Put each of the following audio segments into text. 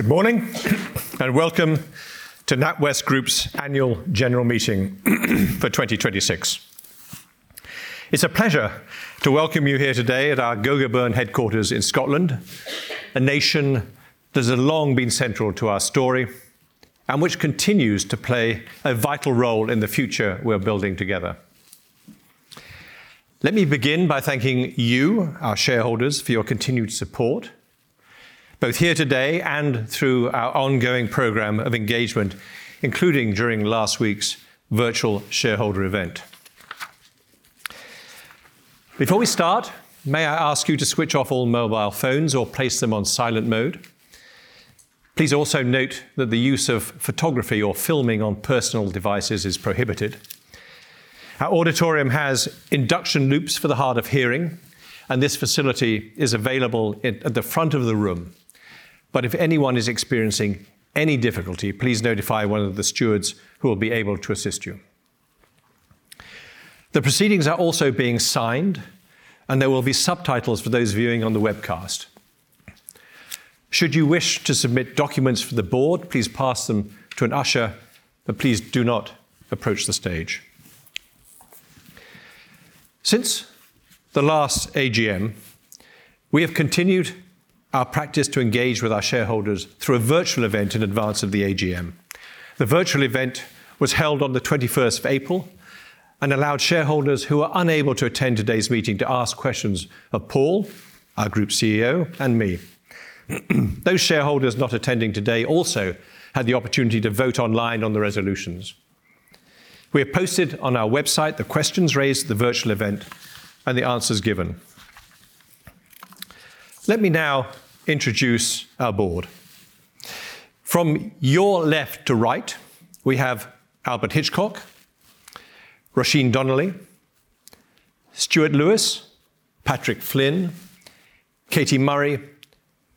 Good morning, welcome to NatWest Group's annual general meeting for 2026. It's a pleasure to welcome you here today at our Gogarburn headquarters in Scotland, a nation that has long been central to our story and which continues to play a vital role in the future we're building together. Let me begin by thanking you, our shareholders, for your continued support, both here today and through our ongoing program of engagement, including during last week's virtual shareholder event. Before we start, may I ask you to switch off all mobile phones or place them on silent mode. Please also note that the use of photography or filming on personal devices is prohibited. Our auditorium has induction loops for the hard of hearing, and this facility is available at the front of the room. If anyone is experiencing any difficulty, please notify one of the stewards, who will be able to assist you. The proceedings are also being signed, and there will be subtitles for those viewing on the webcast. Should you wish to submit documents for the board, please pass them to an usher, but please do not approach the stage. Since the last AGM, we have continued our practice to engage with our shareholders through a virtual event in advance of the AGM. The virtual event was held on the 21st of April and allowed shareholders who are unable to attend today's meeting to ask questions of Paul, our Group CEO, and me. Those shareholders not attending today also had the opportunity to vote online on the resolutions. We have posted on our website the questions raised at the virtual event and the answers given. Let me now introduce our board. From your left to right, we have Albert Hitchcock, Roisin Donnelly, Stuart Lewis, Patrick Flynn, Katie Murray,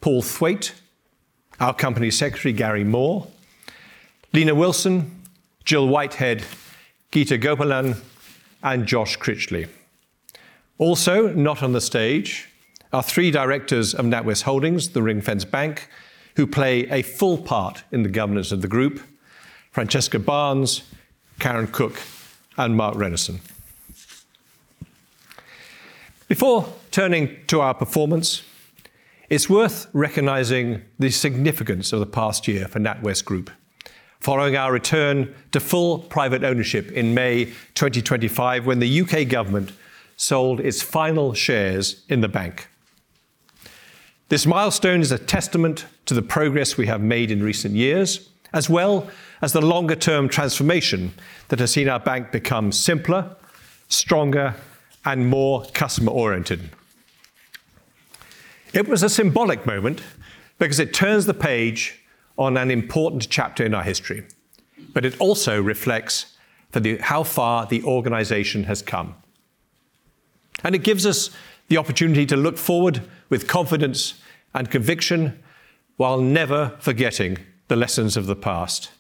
Paul Thwaite, our Company Secretary, Gary Moore, Lena Wilson, Gill Whitehead, Geeta Gopalan, and Josh Critchley. Also, not on the stage, our three directors of NatWest Holdings, the ring-fenced bank, who play a full part in the governance of the group: Francesca Barnes, Karin Cook, and Mark Rennison. Before turning to our performance, it's worth recognizing the significance of the past year for NatWest Group following our return to full private ownership in May 2025, when the U.K. government sold its final shares in the bank. This milestone is a testament to the progress we have made in recent years, as well as the longer term transformation that has seen our bank become simpler, stronger, and more customer-oriented. It was a symbolic moment because it turns the page on an important chapter in our history, it also reflects how far the organization has come. It gives us the opportunity to look forward with confidence and conviction while never forgetting the lessons of the past.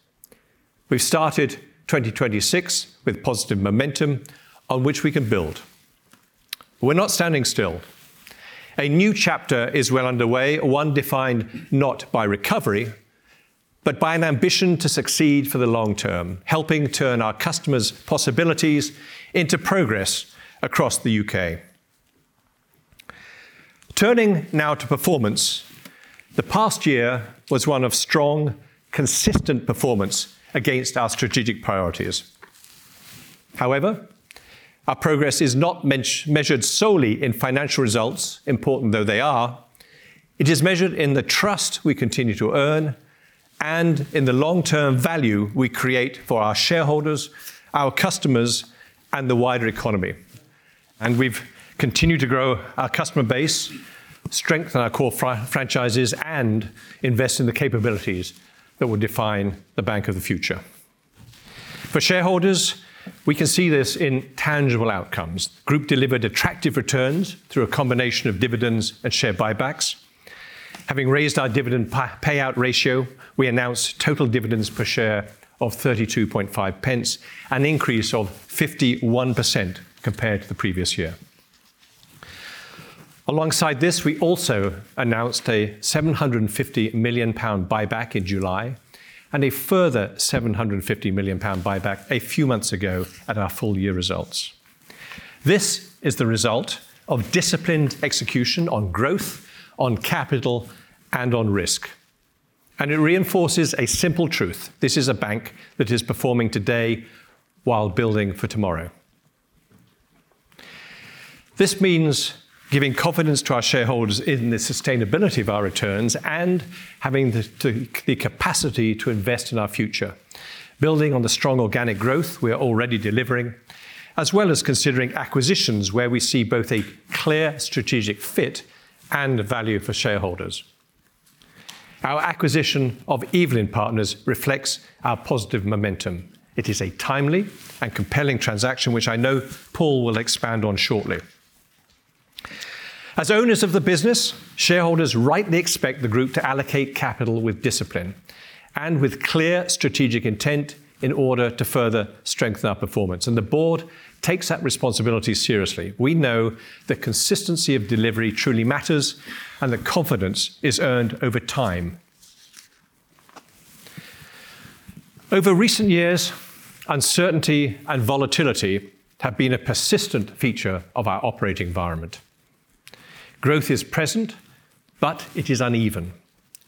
We've started 2026 with positive momentum on which we can build. We're not standing still. A new chapter is well underway, one defined not by recovery, but by an ambition to succeed for the long term, helping turn our customers' possibilities into progress across the U.K. Turning now to performance. The past year was one of strong, consistent performance against our strategic priorities. However, our progress is not measured solely in financial results, important though they are. It is measured in the trust we continue to earn and in the long-term value we create for our shareholders, our customers, and the wider economy. We've continued to grow our customer base, strengthen our core franchises, and invest in the capabilities that will define the bank of the future. For shareholders, we can see this in tangible outcomes. Group delivered attractive returns through a combination of dividends and share buybacks. Having raised our dividend payout ratio, we announced total dividends per share of 0.325, an increase of 51% compared to the previous year. Alongside this, we also announced a 750 million pound buyback in July and a further 750 million pound buyback a few months ago at our full year results. This is the result of disciplined execution on growth, on capital, and on risk, and it reinforces a simple truth: This is a bank that is performing today while building for tomorrow. This means giving confidence to our shareholders in the sustainability of our returns and having the capacity to invest in our future, building on the strong organic growth we are already delivering, as well as considering acquisitions where we see both a clear strategic fit and value for shareholders. Our acquisition of Evelyn Partners reflects our positive momentum. It is a timely and compelling transaction, which I know Paul will expand on shortly. As owners of the business, shareholders rightly expect the group to allocate capital with discipline and with clear strategic intent in order to further strengthen our performance. The board takes that responsibility seriously. We know that consistency of delivery truly matters, and that confidence is earned over time. Over recent years, uncertainty and volatility have been a persistent feature of our operating environment. Growth is present, but it is uneven.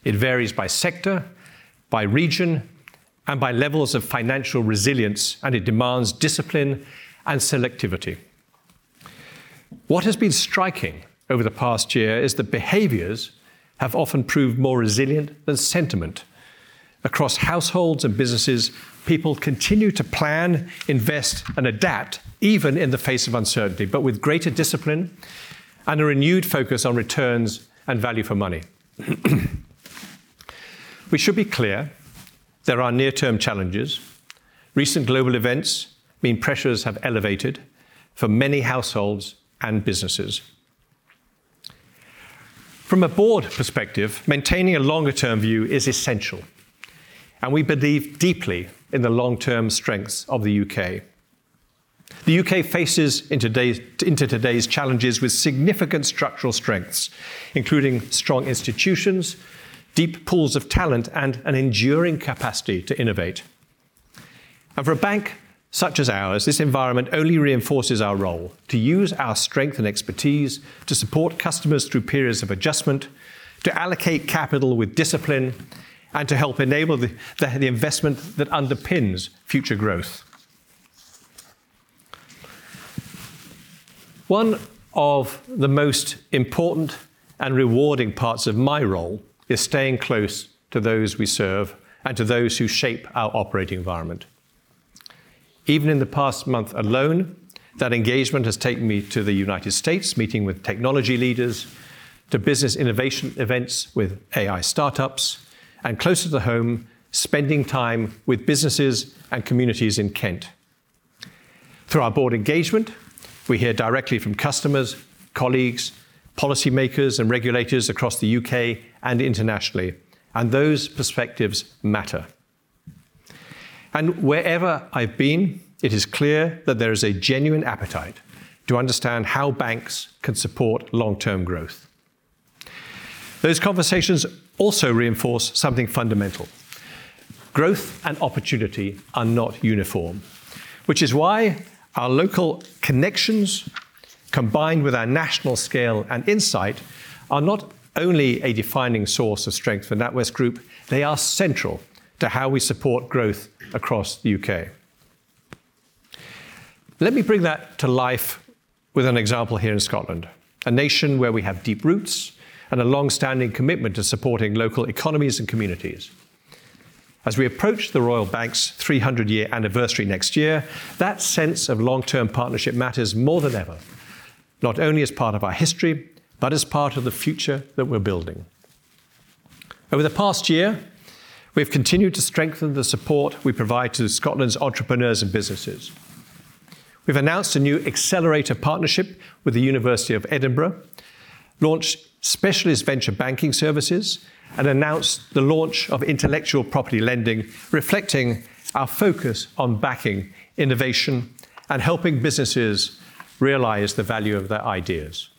It varies by sector, by region, and by levels of financial resilience, and it demands discipline and selectivity. What has been striking over the past year is that behaviors have often proved more resilient than sentiment. Across households and businesses, people continue to plan, invest, and adapt even in the face of uncertainty, but with greater discipline and a renewed focus on returns and value for money. We should be clear, there are near-term challenges. Recent global events mean pressures have elevated for many households and businesses. From a board perspective, maintaining a longer-term view is essential, and we believe deeply in the long-term strengths of the U.K. The U.K. faces into today's challenges with significant structural strengths, including strong institutions, deep pools of talent, and an enduring capacity to innovate. For a bank such as ours, this environment only reinforces our role to use our strength and expertise to support customers through periods of adjustment, to allocate capital with discipline, and to help enable the investment that underpins future growth. One of the most important and rewarding parts of my role is staying close to those we serve and to those who shape our operating environment. Even in the past month alone, that engagement has taken me to the United States, meeting with technology leaders, to business innovation events with AI startups, and closer to home, spending time with businesses and communities in Kent. Through our board engagement, we hear directly from customers, colleagues, policymakers, and regulators across the U.K. and internationally. Those perspectives matter. Wherever I've been, it is clear that there is a genuine appetite to understand how banks can support long-term growth. Those conversations also reinforce something fundamental: growth and opportunity are not uniform, which is why our local connections, combined with our national scale and insight, are not only a defining source of strength for NatWest Group, they are central to how we support growth across the U.K. Let me bring that to life with an example here in Scotland, a nation where we have deep roots and a longstanding commitment to supporting local economies and communities. As we approach the Royal Bank's 300-year anniversary next year, that sense of long-term partnership matters more than ever, not only as part of our history, but as part of the future that we're building. Over the past year, we've continued to strengthen the support we provide to Scotland's entrepreneurs and businesses. We've announced a new Accelerator partnership with the University of Edinburgh, launched specialist venture banking services, and announced the launch of intellectual property lending, reflecting our focus on backing innovation and helping businesses realize the value of their ideas.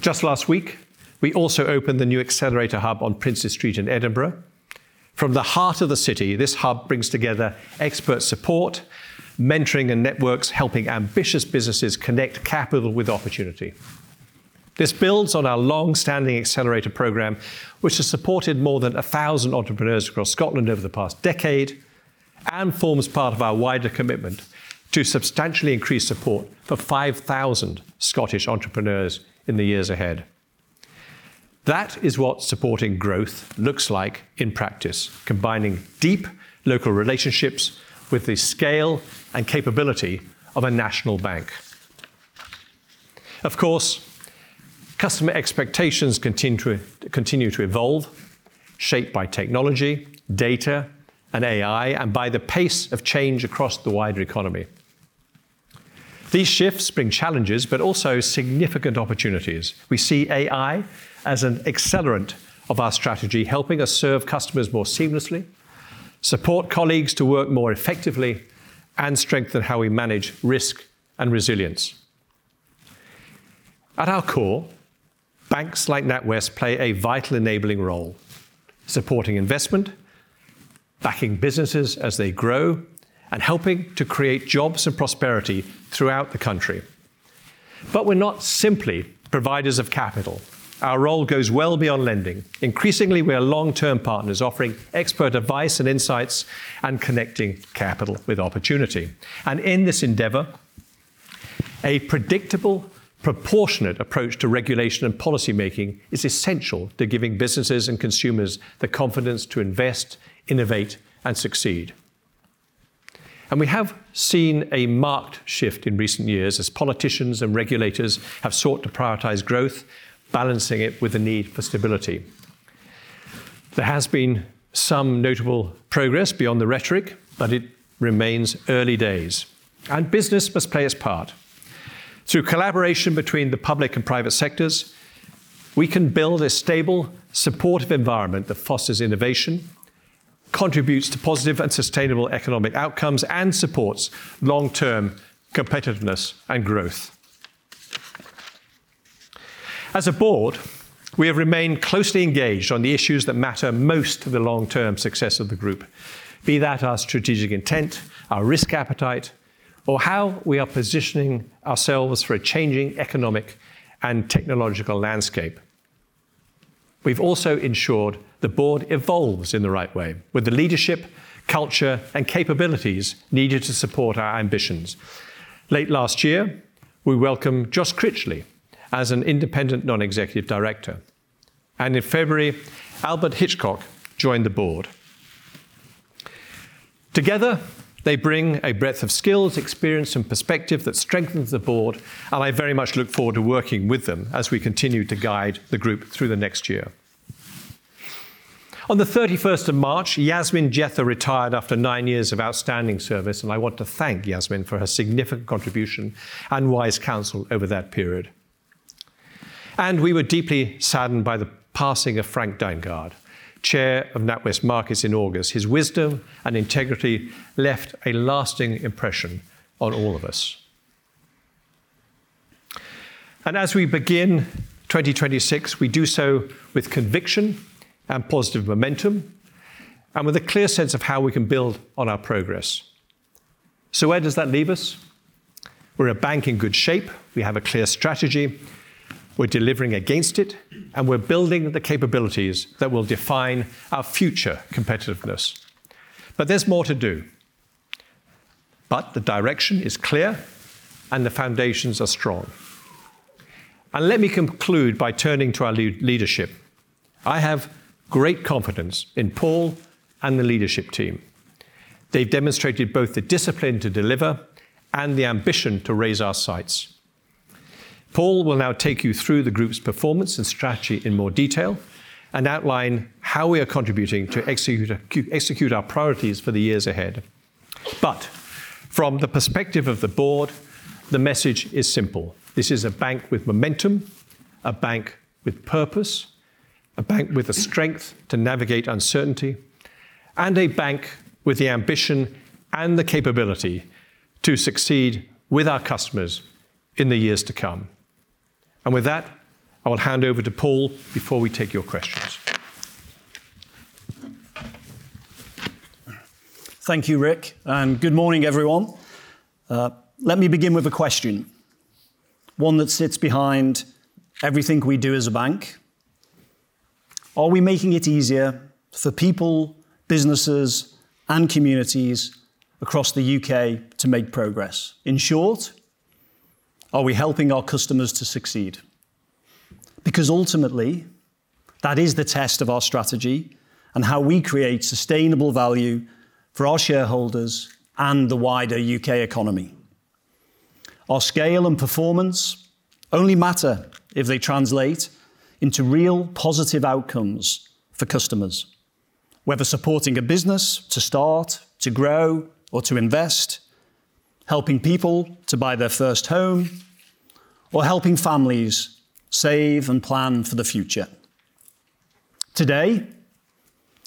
Just last week, we also opened the new Accelerator hub on Princes Street in Edinburgh. From the heart of the city, this hub brings together expert support, mentoring and networks, helping ambitious businesses connect capital with opportunity. This builds on our longstanding Accelerator program, which has supported more than 1,000 entrepreneurs across Scotland over the past decade and forms part of our wider commitment to substantially increase support for 5,000 Scottish entrepreneurs in the years ahead. That is what supporting growth looks like in practice, combining deep local relationships with the scale and capability of a national bank. Customer expectations continue to evolve, shaped by technology, data, and AI, and by the pace of change across the wider economy. These shifts bring challenges, but also significant opportunities. We see AI as an accelerant of our strategy, helping us serve customers more seamlessly, support colleagues to work more effectively, and strengthen how we manage risk and resilience. At our core, banks like NatWest play a vital enabling role, supporting investment, backing businesses as they grow, and helping to create jobs and prosperity throughout the country. We're not simply providers of capital. Our role goes well beyond lending. Increasingly, we are long-term partners offering expert advice and insights and connecting capital with opportunity. In this endeavor, a predictable, proportionate approach to regulation and policymaking is essential to giving businesses and consumers the confidence to invest, innovate, and succeed. We have seen a marked shift in recent years as politicians and regulators have sought to prioritize growth, balancing it with the need for stability. There has been some notable progress beyond the rhetoric, but it remains early days, and business must play its part. Through collaboration between the public and private sectors, we can build a stable, supportive environment that fosters innovation, contributes to positive and sustainable economic outcomes, and supports long-term competitiveness and growth. As a board, we have remained closely engaged on the issues that matter most to the long-term success of the group, be that our strategic intent, our risk appetite, or how we are positioning ourselves for a changing economic and technological landscape. We've also ensured the board evolves in the right way with the leadership, culture, and capabilities needed to support our ambitions. Late last year, we welcomed Josh Critchley as an Independent Non-Executive Director, and in February, Albert Hitchcock joined the board. Together, they bring a breadth of skills, experience, and perspective that strengthens the board, and I very much look forward to working with them as we continue to guide the group through the next year. On the 31st of March, Yasmin Jetha retired after 9 years of outstanding service. I want to thank Yasmin for her significant contribution and wise counsel over that period. We were deeply saddened by the passing of Frank Dangeard, Chair of NatWest Markets, in August. His wisdom and integrity left a lasting impression on all of us. As we begin 2026, we do so with conviction and positive momentum and with a clear sense of how we can build on our progress. Where does that leave us? We're a bank in good shape. We have a clear strategy. We're delivering against it, and we're building the capabilities that will define our future competitiveness. There's more to do. The direction is clear, and the foundations are strong. Let me conclude by turning to our leadership. I have great confidence in Paul and the leadership team. They've demonstrated both the discipline to deliver and the ambition to raise our sights. Paul will now take you through the group's performance and strategy in more detail and outline how we are contributing to execute our priorities for the years ahead. From the perspective of the board, the message is simple. This is a bank with momentum, a bank with purpose, a bank with the strength to navigate uncertainty, and a bank with the ambition and the capability to succeed with our customers in the years to come. With that, I will hand over to Paul before we take your questions. Thank you, Rick. Good morning, everyone. Let me begin with a question, one that sits behind everything we do as a bank. Are we making it easier for people, businesses, and communities across the U.K. to make progress? In short, are we helping our customers to succeed? Ultimately, that is the test of our strategy and how we create sustainable value for our shareholders and the wider U.K. economy. Our scale and performance only matter if they translate into real positive outcomes for customers, whether supporting a business to start, to grow, or to invest, helping people to buy their first home, or helping families save and plan for the future. Today,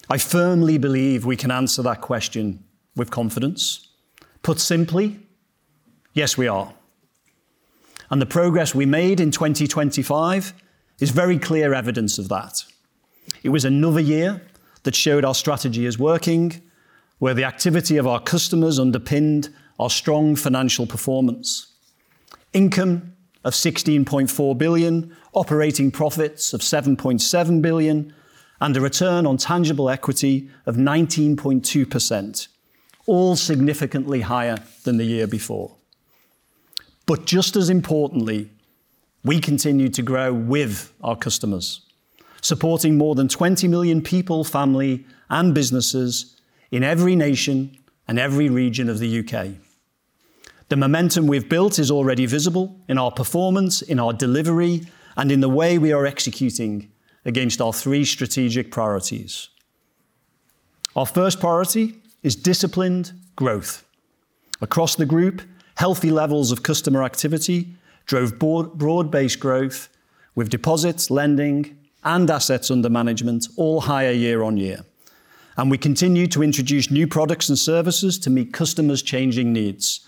I firmly believe we can answer that question with confidence. Put simply, yes, we are, and the progress we made in 2025 is very clear evidence of that. It was another year that showed our strategy is working, where the activity of our customers underpinned our strong financial performance. Income of 16.4 billion, operating profits of 7.7 billion, and a return on tangible equity of 19.2%, all significantly higher than the year before. Just as importantly, we continue to grow with our customers, supporting more than 20 million people, family, and businesses in every nation and every region of the U.K. The momentum we've built is already visible in our performance, in our delivery, and in the way we are executing against our three strategic priorities. Our first priority is disciplined growth. Across the group, healthy levels of customer activity drove broad-based growth with deposits, lending, and assets under management all higher year-on-year. We continue to introduce new products and services to meet customers' changing needs,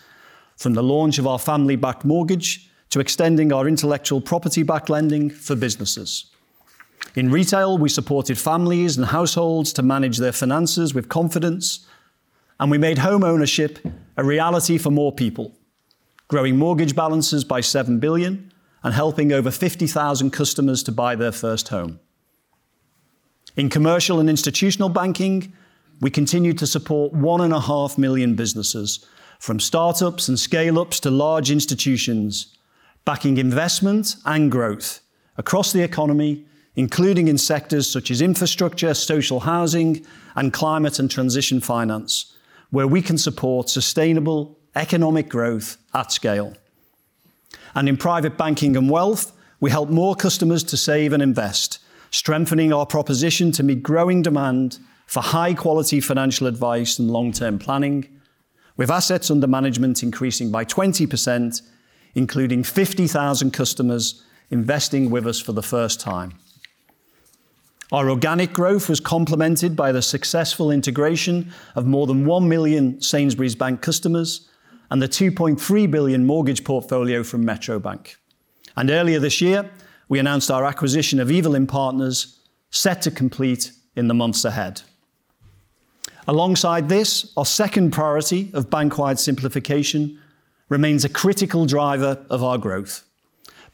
from the launch of our family-backed mortgage to extending our intellectual property-backed lending for businesses. In retail, we supported families and households to manage their finances with confidence, and we made homeownership a reality for more people, growing mortgage balances by 7 billion and helping over 50,000 customers to buy their first home. In commercial and institutional banking, we continue to support 1.5 million businesses, from startups and scale-ups to large institutions, backing investment and growth across the economy, including in sectors such as infrastructure, social housing, and climate and transition finance, where we can support sustainable economic growth at scale. In private banking and wealth, we help more customers to save and invest, strengthening our proposition to meet growing demand for high quality financial advice and long-term planning, with assets under management increasing by 20%, including 50,000 customers investing with us for the first time. Our organic growth was complemented by the successful integration of more than 1 million Sainsbury's Bank customers and the 2.3 billion mortgage portfolio from Metro Bank. Earlier this year, we announced our acquisition of Evelyn Partners, set to complete in the months ahead. Alongside this, our second priority of bank-wide simplification remains a critical driver of our growth.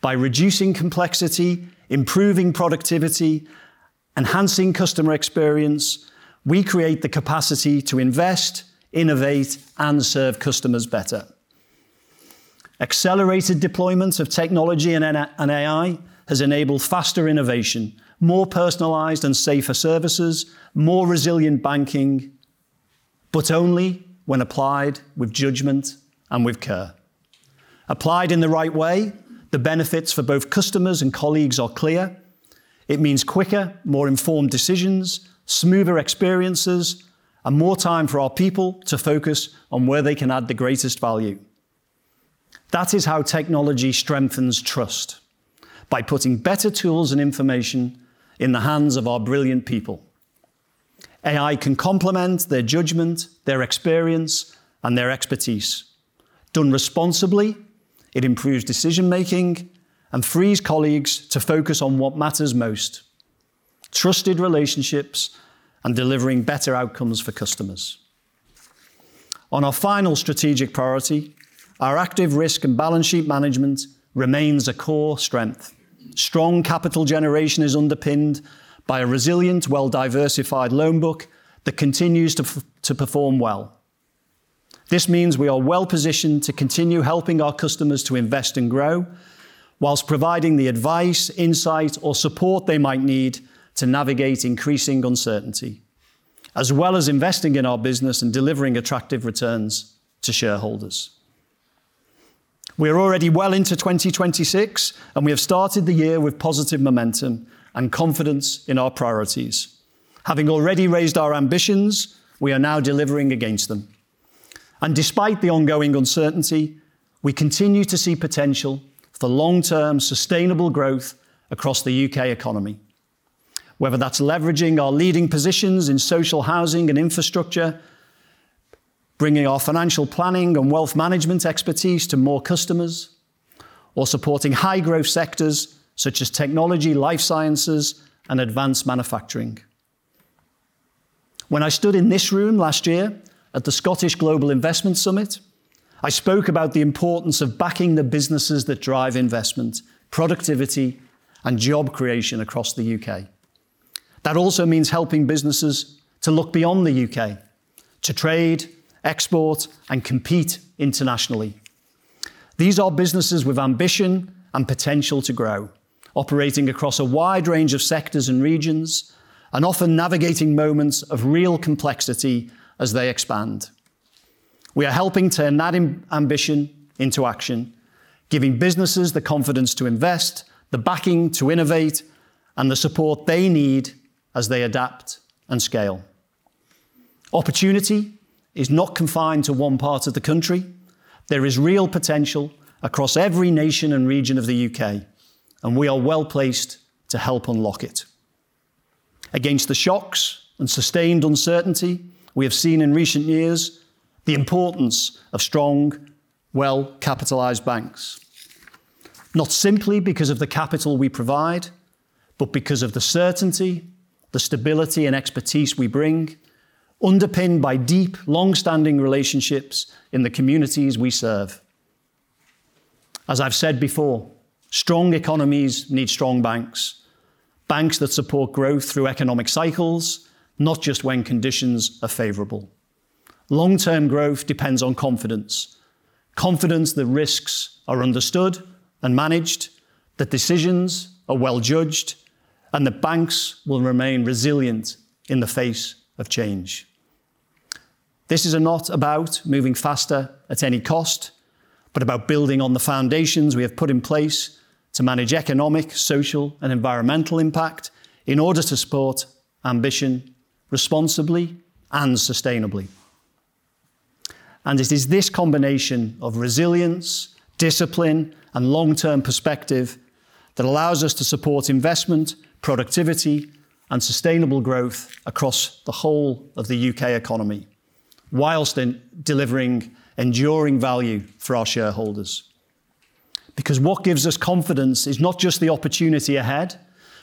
By reducing complexity, improving productivity, enhancing customer experience, we create the capacity to invest, innovate, and serve customers better. Accelerated deployment of technology and AI. AI has enabled faster innovation, more personalized and safer services, more resilient banking, but only when applied with judgment and with care. Applied in the right way, the benefits for both customers and colleagues are clear. It means quicker, more informed decisions, smoother experiences, and more time for our people to focus on where they can add the greatest value. That is how technology strengthens trust, by putting better tools and information in the hands of our brilliant people. AI can complement their judgment, their experience, and their expertise. Done responsibly, it improves decision-making and frees colleagues to focus on what matters most, trusted relationships and delivering better outcomes for customers. On our final strategic priority, our active risk and balance sheet management remains a core strength. Strong capital generation is underpinned by a resilient, well-diversified loan book that continues to perform well. This means we are well-positioned to continue helping our customers to invest and grow while providing the advice, insight, or support they might need to navigate increasing uncertainty, as well as investing in our business and delivering attractive returns to shareholders. We are already well into 2026, we have started the year with positive momentum and confidence in our priorities. Having already raised our ambitions, we are now delivering against them. Despite the ongoing uncertainty, we continue to see potential for long-term sustainable growth across the U.K. economy, whether that's leveraging our leading positions in social housing and infrastructure, bringing our financial planning and wealth management expertise to more customers, or supporting high-growth sectors such as technology, life sciences, and advanced manufacturing. When I stood in this room last year at the Scottish Global Investment Summit, I spoke about the importance of backing the businesses that drive investment, productivity, and job creation across the U.K. That also means helping businesses to look beyond the U.K. to trade, export, and compete internationally. These are businesses with ambition and potential to grow, operating across a wide range of sectors and regions, and often navigating moments of real complexity as they expand. We are helping turn that ambition into action, giving businesses the confidence to invest, the backing to innovate, and the support they need as they adapt and scale. Opportunity is not confined to one part of the country. There is real potential across every nation and region of the U.K., and we are well-placed to help unlock it. Against the shocks and sustained uncertainty we have seen in recent years the importance of strong, well-capitalized banks, not simply because of the capital we provide, but because of the certainty, the stability and expertise we bring, underpinned by deep, long-standing relationships in the communities we serve. As I've said before, strong economies need strong banks that support growth through economic cycles, not just when conditions are favorable. Long-term growth depends on confidence. Confidence that risks are understood and managed, that decisions are well-judged, and that banks will remain resilient in the face of change. This is not about moving faster at any cost, but about building on the foundations we have put in place to manage economic, social, and environmental impact in order to support ambition responsibly and sustainably. It is this combination of resilience, discipline, and long-term perspective that allows us to support investment, productivity, and sustainable growth across the whole of the U.K. economy whilst in delivering enduring value for our shareholders. What gives us confidence is not just the opportunity ahead,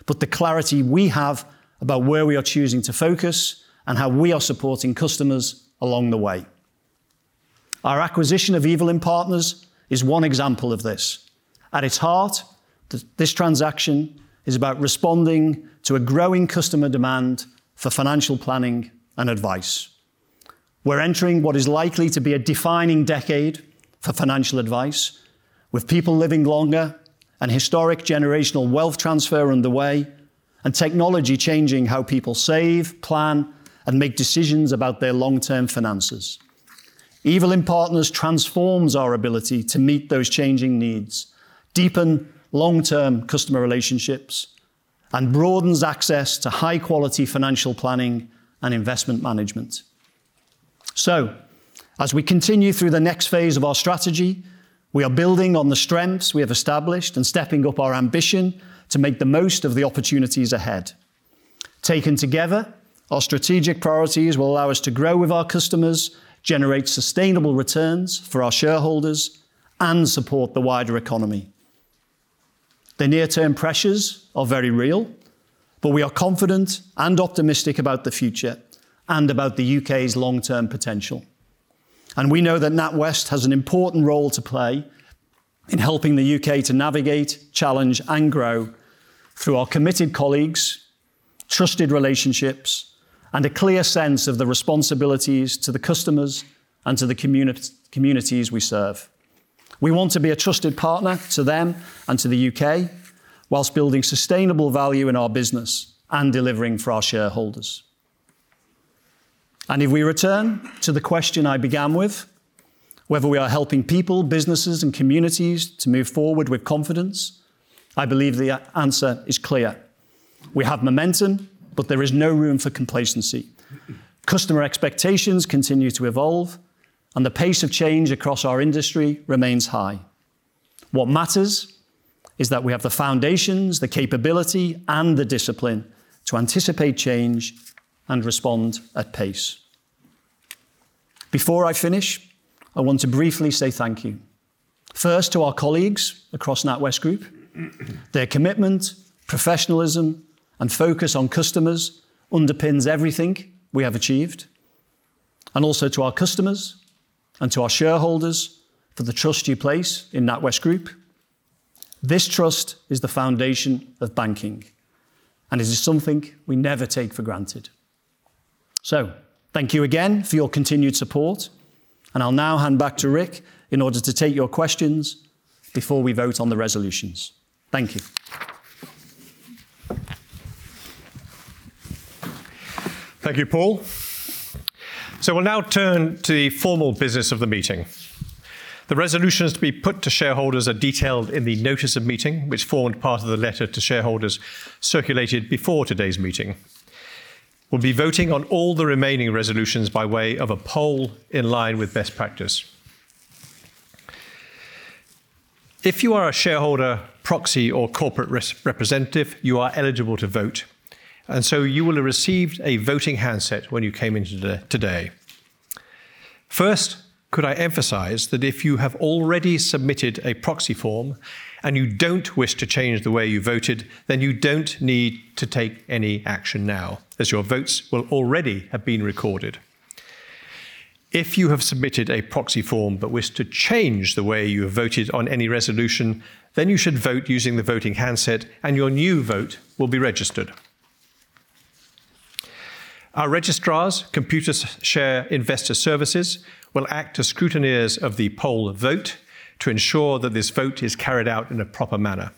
but the clarity we have about where we are choosing to focus and how we are supporting customers along the way. Our acquisition of Evelyn Partners is one example of this. At its heart, this transaction is about responding to a growing customer demand for financial planning and advice. We're entering what is likely to be a defining decade for financial advice, with people living longer and historic generational wealth transfer underway and technology changing how people save, plan, and make decisions about their long-term finances. Evelyn Partners transforms our ability to meet those changing needs, deepen long-term customer relationships, and broadens access to high-quality financial planning and investment management. As we continue through the next phase of our strategy, we are building on the strengths we have established and stepping up our ambition to make the most of the opportunities ahead. Taken together, our strategic priorities will allow us to grow with our customers, generate sustainable returns for our shareholders, and support the wider economy. The near-term pressures are very real. We are confident and optimistic about the future and about the U.K.'s long-term potential. We know that NatWest has an important role to play in helping the U.K. to navigate, challenge, and grow through our committed colleagues, trusted relationships, and a clear sense of the responsibilities to the customers and to the communities we serve. We want to be a trusted partner to them and to the U.K. whilst building sustainable value in our business and delivering for our shareholders. If we return to the question I began with, whether we are helping people, businesses, and communities to move forward with confidence, I believe the answer is clear. We have momentum. There is no room for complacency. Customer expectations continue to evolve. The pace of change across our industry remains high. What matters is that we have the foundations, the capability, and the discipline to anticipate change and respond at pace. Before I finish, I want to briefly say thank you, first, to our colleagues across NatWest Group. Their commitment, professionalism, and focus on customers underpins everything we have achieved. Also to our customers and to our shareholders for the trust you place in NatWest Group. This trust is the foundation of banking, and it is something we never take for granted. Thank you again for your continued support, and I'll now hand back to Rick in order to take your questions before we vote on the resolutions. Thank you. Thank you, Paul. We'll now turn to the formal business of the meeting. The resolutions to be put to shareholders are detailed in the notice of meeting, which formed part of the letter to shareholders circulated before today's meeting. We'll be voting on all the remaining resolutions by way of a poll in line with best practice. If you are a shareholder, proxy, or corporate representative, you are eligible to vote, you will have received a voting handset when you came into today. First, could I emphasize that if you have already submitted a proxy form and you don't wish to change the way you voted, you don't need to take any action now, as your votes will already have been recorded. If you have submitted a proxy form but wish to change the way you have voted on any resolution, you should vote using the voting handset, and your new vote will be registered. Our registrars, Computershare Investor Services, will act as scrutineers of the poll vote to ensure that this vote is carried out in a proper manner.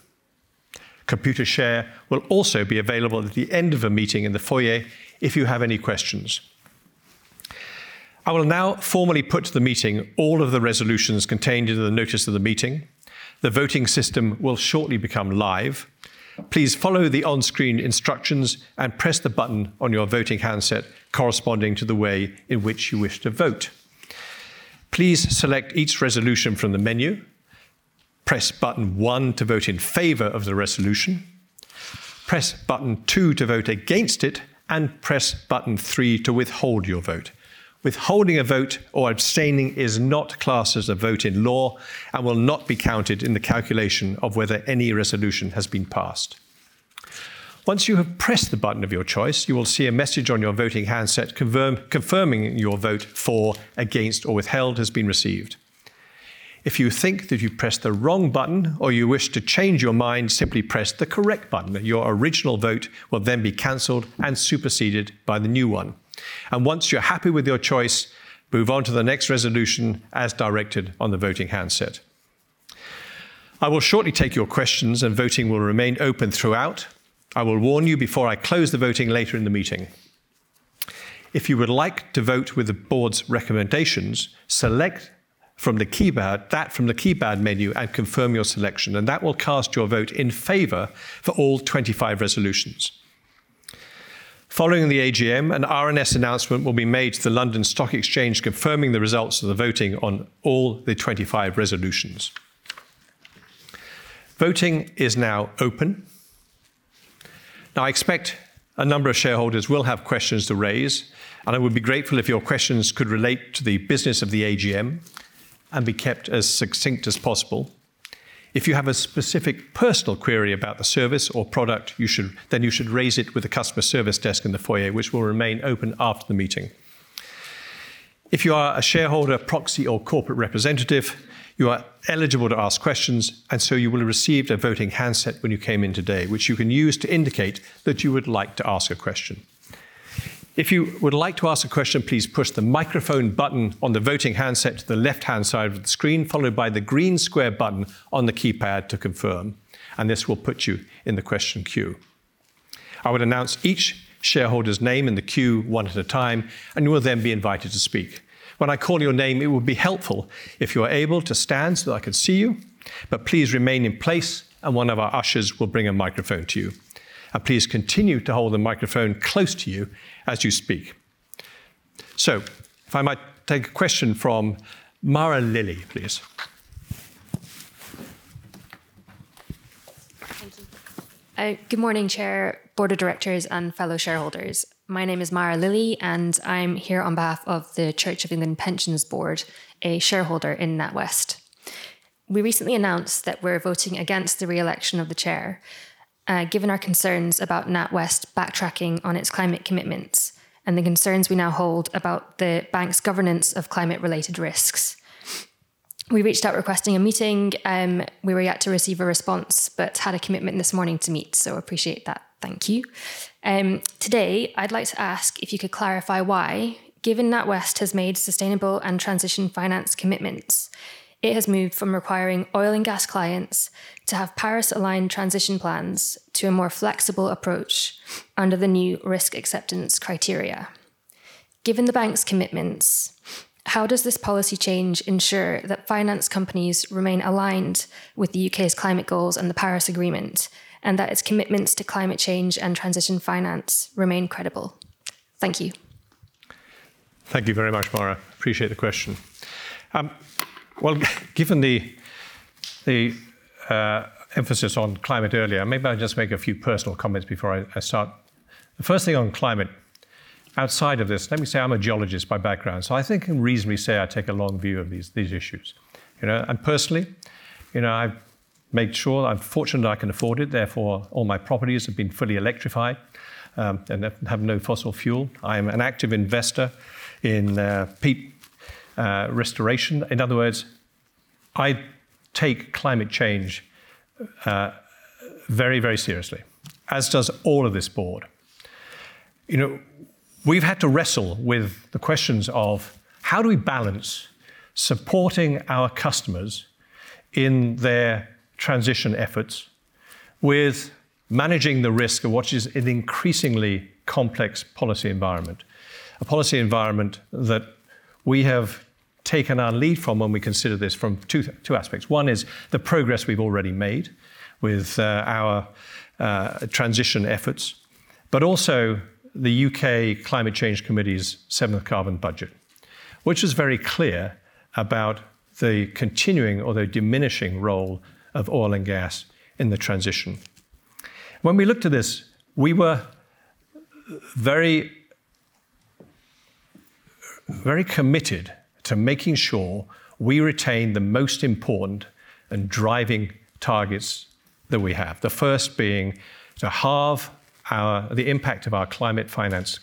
Computershare will also be available at the end of a meeting in the foyer if you have any questions. I will now formally put to the meeting all of the resolutions contained in the notice of the meeting. The voting system will shortly become live. Please follow the on-screen instructions and press the button on your voting handset corresponding to the way in which you wish to vote. Please select each resolution from the menu. Press button one to vote in favor of the resolution, press button two to vote against it, and press button three to withhold your vote. Withholding a vote or abstaining is not classed as a vote in law and will not be counted in the calculation of whether any resolution has been passed. Once you have pressed the button of your choice, you will see a message on your voting handset confirming your vote for, against, or withheld has been received. If you think that you've pressed the wrong button or you wish to change your mind, simply press the correct button, and your original vote will then be canceled and superseded by the new one. Once you're happy with your choice, move on to the next resolution as directed on the voting handset. I will shortly take your questions, and voting will remain open throughout. I will warn you before I close the voting later in the meeting. If you would like to vote with the board's recommendations, select from the keypad menu and confirm your selection, and that will cast your vote in favor for all 25 resolutions. Following the AGM, an RNS announcement will be made to the London Stock Exchange confirming the results of the voting on all the 25 resolutions. Voting is now open. Now, I expect a number of shareholders will have questions to raise. I would be grateful if your questions could relate to the business of the AGM and be kept as succinct as possible. If you have a specific personal query about the service or product, you should raise it with the customer service desk in the foyer, which will remain open after the meeting. If you are a shareholder, proxy, or corporate representative, you are eligible to ask questions. You will have received a voting handset when you came in today, which you can use to indicate that you would like to ask a question. If you would like to ask a question, please push the microphone button on the voting handset to the left-hand side of the screen, followed by the green square button on the keypad to confirm. This will put you in the question queue. I would announce each shareholder's name in the queue 1 at a time, and you will then be invited to speak. When I call your name, it would be helpful if you're able to stand so that I can see you. Please remain in place and 1 of our ushers will bring a microphone to you. Please continue to hold the microphone close to you as you speak. If I might take a question from Mara Lilley, please. Thank you. Good morning, Chair, Board of Directors, and fellow shareholders. My name is Mara Lilley, and I'm here on behalf of the Church of England Pensions Board, a shareholder in NatWest. We recently announced that we're voting against the reelection of the Chair, given our concerns about NatWest backtracking on its climate commitments and the concerns we now hold about the bank's governance of climate related risks. We reached out requesting a meeting, we were yet to receive a response, but had a commitment this morning to meet, so appreciate that. Thank you. Today I'd like to ask if you could clarify why, given NatWest has made sustainable and transition finance commitments, it has moved from requiring oil and gas clients to have Paris aligned transition plans to a more flexible approach under the new risk acceptance criteria. Given the bank's commitments, how does this policy change ensure that finance companies remain aligned with the U.K.'s climate goals and the Paris Agreement, and that its commitments to climate change and transition finance remain credible? Thank you. Thank you very much, Mara. Appreciate the question. Well, given the emphasis on climate earlier, maybe I'll just make a few personal comments before I start. The first thing on climate, outside of this, let me say I'm a geologist by background, so I think I can reasonably say I take a long view of these issues. Personally, you know, I've made sure, I'm fortunate I can afford it, therefore, all my properties have been fully electrified and have no fossil fuel. I'm an active investor in peat restoration. In other words, I take climate change very seriously, as does all of this board. You know, we've had to wrestle with the questions of how do we balance supporting our customers in their transition efforts with managing the risk of what is an increasingly complex policy environment. A policy environment that we have taken our lead from when we consider this from two aspects. One is the progress we've already made with our transition efforts, but also the U.K. Climate Change Committee's seventh carbon budget, which is very clear about the continuing or the diminishing role of oil and gas in the transition. When we looked at this, we were very, very committed to making sure we retain the most important and driving targets that we have. The first being to halve our, the impact of our climate finance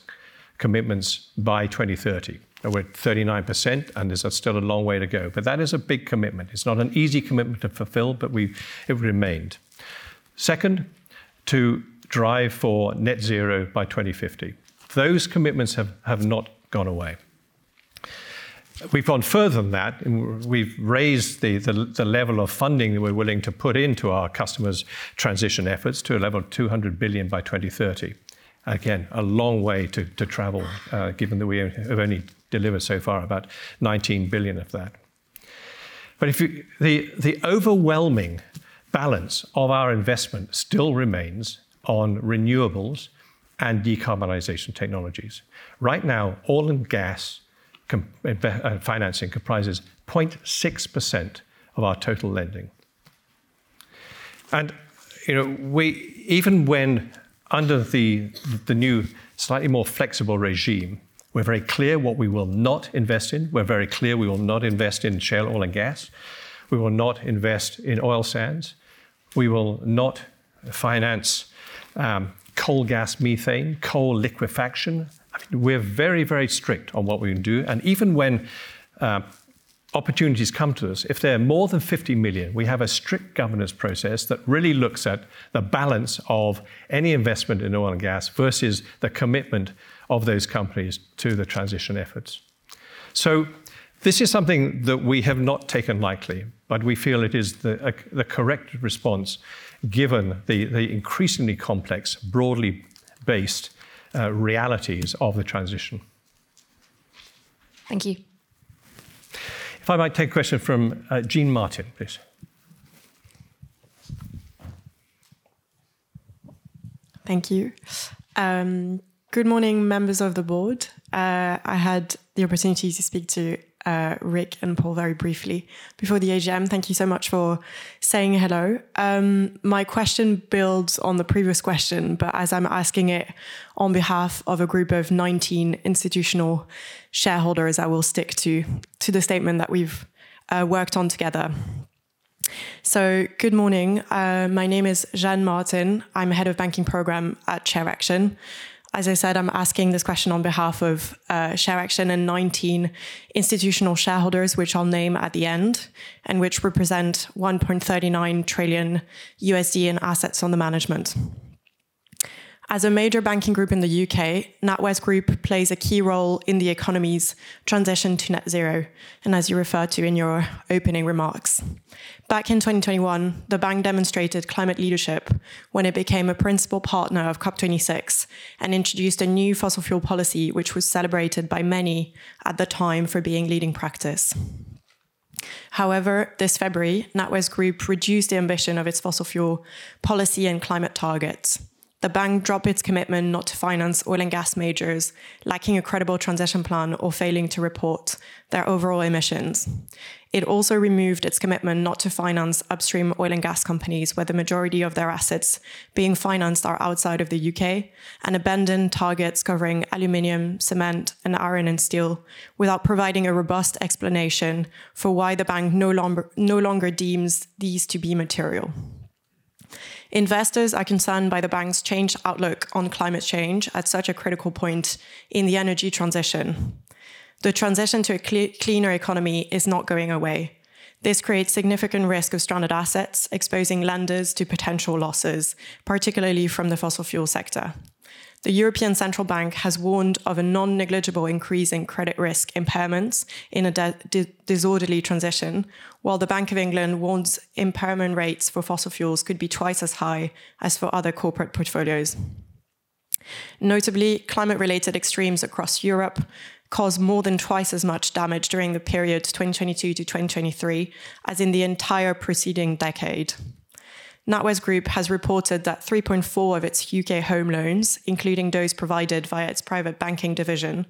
commitments by 2030. Now, we're at 39% and there's still a long way to go. That is a big commitment. It's not an easy commitment to fulfill, but it remained. Second, to drive for net zero by 2050. Those commitments have not gone away. We've gone further than that, and we've raised the level of funding that we're willing to put into our customers transition efforts to a level of 200 billion by 2030. Again, a long way to travel, given that we have only delivered so far about 19 billion of that. The overwhelming balance of our investment still remains on renewables and decarbonization technologies. Right now, oil and gas financing comprises 0.6% of our total lending. You know, even when under the new slightly more flexible regime, we're very clear what we will not invest in. We're very clear we will not invest in shale oil and gas. We will not invest in oil sands. We will not finance coal gas, methane, coal liquefaction. I mean, we're very, very strict on what we can do. Even when opportunities come to us, if they're more than 50 million, we have a strict governance process that really looks at the balance of any investment in oil and gas versus the commitment of those companies to the transition efforts. This is something that we have not taken lightly, but we feel it is the correct response given the increasingly complex, broadly based realities of the transition. Thank you. If I might take a question from, Jeanne Martin, please. Thank you. Good morning, Members of the Board. I had the opportunity to speak to Rick and Paul very briefly before the AGM. Thank you so much for saying hello. My question builds on the previous question, but as I'm asking it on behalf of a group of 19 institutional shareholders, I will stick to the statement that we've worked on together. Good morning. My name is Jeanne Martin. I'm Head of Banking Programme at ShareAction. As I said, I'm asking this question on behalf of ShareAction and 19 institutional shareholders, which I'll name at the end, and which represent $1.39 trillion in assets under management. As a major banking group in the U.K., NatWest Group plays a key role in the economy's transition to net zero, and as you referred to in your opening remarks. Back in 2021, the bank demonstrated climate leadership when it became a principal partner of COP26 and introduced a new fossil fuel policy which was celebrated by many at the time for being leading practice. This February, NatWest Group reduced the ambition of its fossil fuel policy and climate targets. The bank dropped its commitment not to finance oil and gas majors lacking a credible transition plan or failing to report their overall emissions. It also removed its commitment not to finance upstream oil and gas companies where the majority of their assets being financed are outside of the U.K., and abandoned targets covering aluminum, cement, and iron and steel, without providing a robust explanation for why the bank no longer deems these to be material. Investors are concerned by the bank's changed outlook on climate change at such a critical point in the energy transition. The transition to a cleaner economy is not going away. This creates significant risk of stranded assets, exposing lenders to potential losses, particularly from the fossil fuel sector. The European Central Bank has warned of a non-negligible increase in credit risk impairments in a disorderly transition, while the Bank of England warns impairment rates for fossil fuels could be twice as high as for other corporate portfolios. Notably, climate-related extremes across Europe caused more than twice as much damage during the period 2022-2023 as in the entire preceding decade. NatWest Group has reported that 3.4% of its U.K. home loans, including those provided via its private banking division,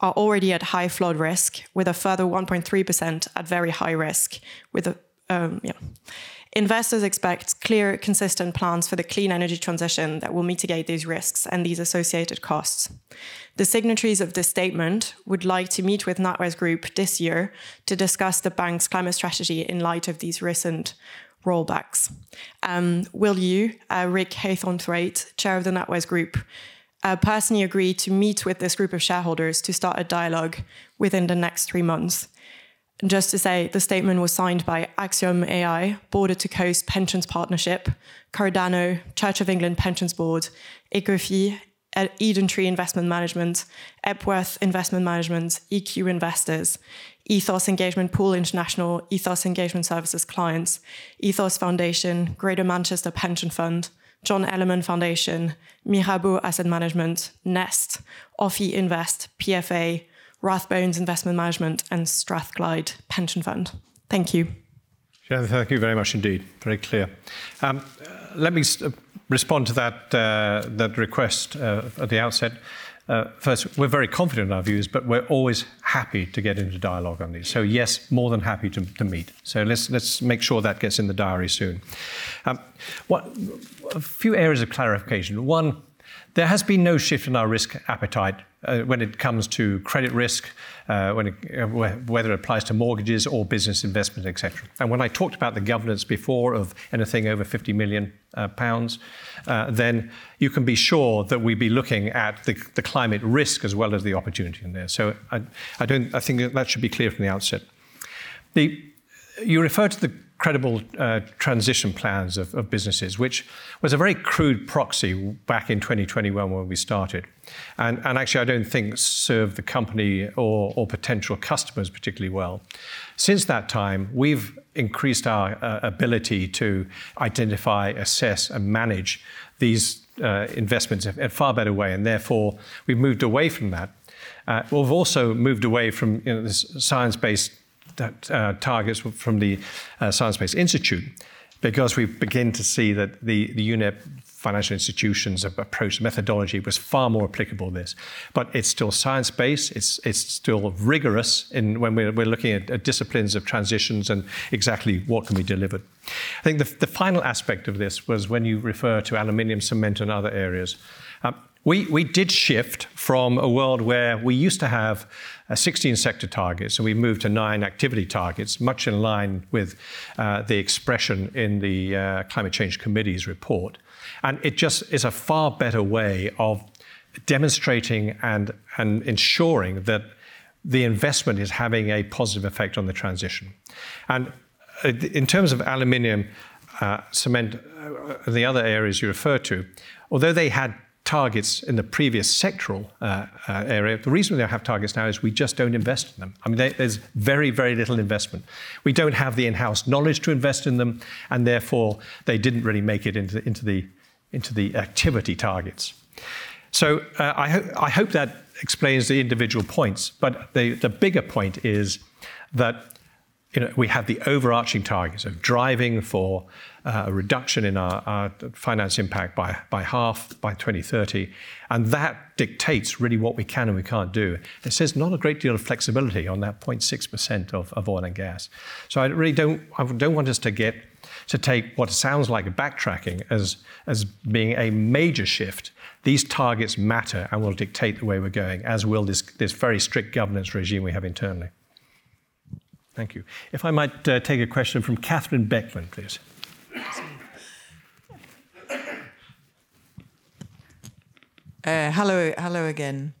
are already at high flood risk, with a further 1.3% at very high risk, with a, yeah. Investors expect clear, consistent plans for the clean energy transition that will mitigate these risks and these associated costs. The signatories of this statement would like to meet with NatWest Group this year to discuss the bank's climate strategy in light of these recent rollbacks. Will you, Rick Haythornthwaite, chair of the NatWest Group, personally agree to meet with this group of shareholders to start a dialogue within the next three months? Just to say, the statement was signed by Axiom AI, Border to Coast Pensions Partnership, Cardano, Church of England Pensions Board, Ecofi, EdenTree Investment Management, Epworth Investment Management, EQ Investors, Ethos Engagement Pool International, Ethos Engagement Services clients, Ethos Foundation, Greater Manchester Pension Fund, John Ellerman Foundation, Mirova Asset Management, Nest, Ofi Invest, PFA, Rathbones Investment Management, and Strathclyde Pension Fund. Thank you. Yeah, thank you very much indeed. Very clear. Let me respond to that request at the outset. First, we're very confident in our views, but we're always happy to get into dialogue on these. Yes, more than happy to meet. Let's make sure that gets in the diary soon. A few areas of clarification. One, there has been no shift in our risk appetite when it comes to credit risk, whether it applies to mortgages or business investment, et cetera. When I talked about the governance before of anything over 50 million pounds, then you can be sure that we'd be looking at the climate risk as well as the opportunity in there. I think that should be clear from the outset. You referred to the credible transition plans of businesses, which was a very crude proxy back in 2021 when we started, actually I don't think served the company or potential customers particularly well. Since that time, we've increased our ability to identify, assess, and manage these investments a far better way, and therefore we've moved away from that. We've also moved away from, you know, this science-based targets from the Science Based Targets initiative because we've begun to see that the UNEP Finance Initiative was far more applicable in this. It's still science-based, it's still rigorous in when we're looking at disciplines of transitions and exactly what can we deliver. I think the final aspect of this was when you refer to aluminum, cement, and other areas. We did shift from a world where we used to have 16 sector targets, and we've moved to 9 activity targets, much in line with the expression in the Climate Change Committee's report. It just is a far better way of demonstrating and ensuring that the investment is having a positive effect on the transition. In terms of aluminum, cement, the other areas you refer to, although they had targets in the previous sectoral area, the reason we don't have targets now is we just don't invest in them. I mean, there's very, very little investment. We don't have the in-house knowledge to invest in them, and therefore they didn't really make it into the activity targets. I hope that explains the individual points, but the bigger point is that, you know, we have the overarching targets of driving for a reduction in our finance impact by half by 2030, and that dictates really what we can and we can't do. There's just not a great deal of flexibility on that 0.6% of oil and gas. I really don't, I don't want us to get to take what sounds like a backtracking as being a major shift. These targets matter and will dictate the way we're going, as will this very strict governance regime we have internally. Thank you. If I might take a question from Kathryn Beckman, please. Hello. Hello again.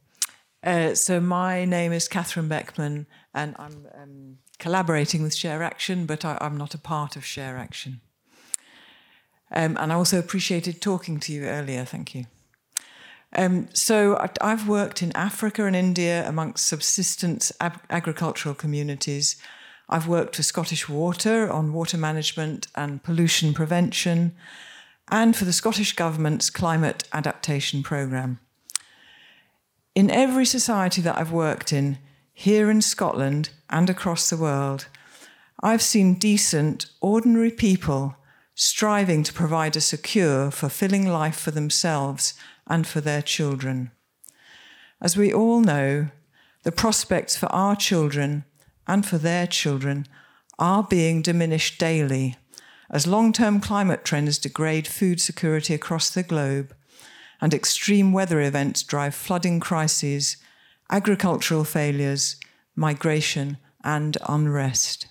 My name is Kathryn Beckman, and I'm collaborating with ShareAction, but I'm not a part of ShareAction. I also appreciated talking to you earlier. Thank you. I've worked in Africa and India amongst subsistence agricultural communities. I've worked with Scottish Water on water management and pollution prevention, and for the Scottish Government's Climate Adaptation Program. In every society that I've worked in, here in Scotland and across the world, I've seen decent, ordinary people striving to provide a secure, fulfilling life for themselves and for their children. As we all know, the prospects for our children and for their children are being diminished daily as long-term climate trends degrade food security across the globe and extreme weather events drive flooding crises, agricultural failures, migration, and unrest.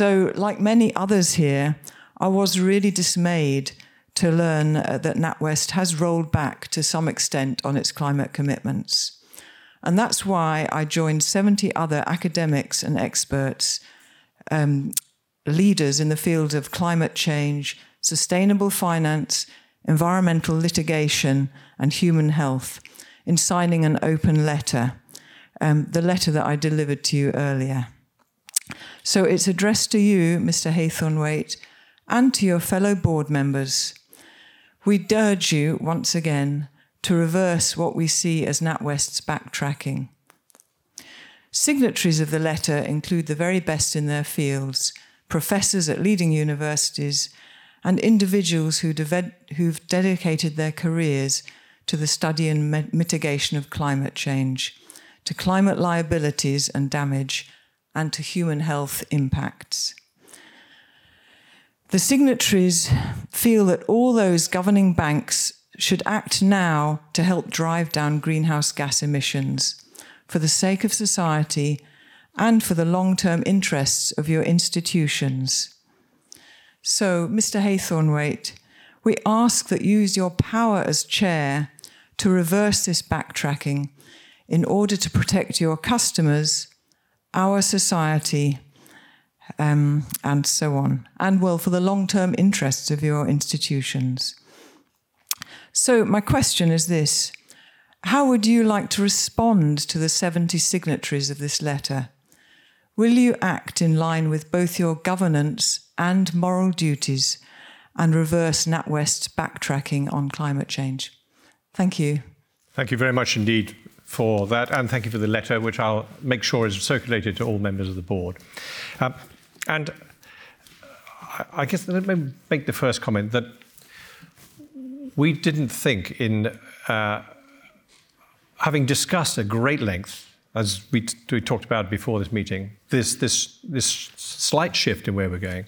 Like many others here, I was really dismayed to learn that NatWest has rolled back, to some extent, on its climate commitments, and that's why I joined 70 other academics and experts, leaders in the field of climate change, sustainable finance, environmental litigation, and human health in signing an open letter, the letter that I delivered to you earlier. It's addressed to you, Mr. Haythornthwaite, and to your fellow Board Members. We urge you once again to reverse what we see as NatWest's backtracking. Signatories of the letter include the very best in their fields, professors at leading universities, and individuals who've dedicated their careers to the study and mitigation of climate change, to climate liabilities and damage, and to human health impacts. The signatories feel that all those governing banks should act now to help drive down greenhouse gas emissions for the sake of society and for the long-term interests of your institutions. Mr. Haythornthwaite, we ask that you use your power as Chair to reverse this backtracking in order to protect your customers, our society, and so on, and for the long-term interests of your institutions. My question is this: How would you like to respond to the 70 signatories of this letter? Will you act in line with both your governance and moral duties and reverse NatWest's backtracking on climate change? Thank you. Thank you very much indeed for that, and thank you for the letter, which I'll make sure is circulated to all members of the board. I guess let me make the first comment, that we didn't think in, having discussed at great length, as we talked about before this meeting, this, this slight shift in where we're going,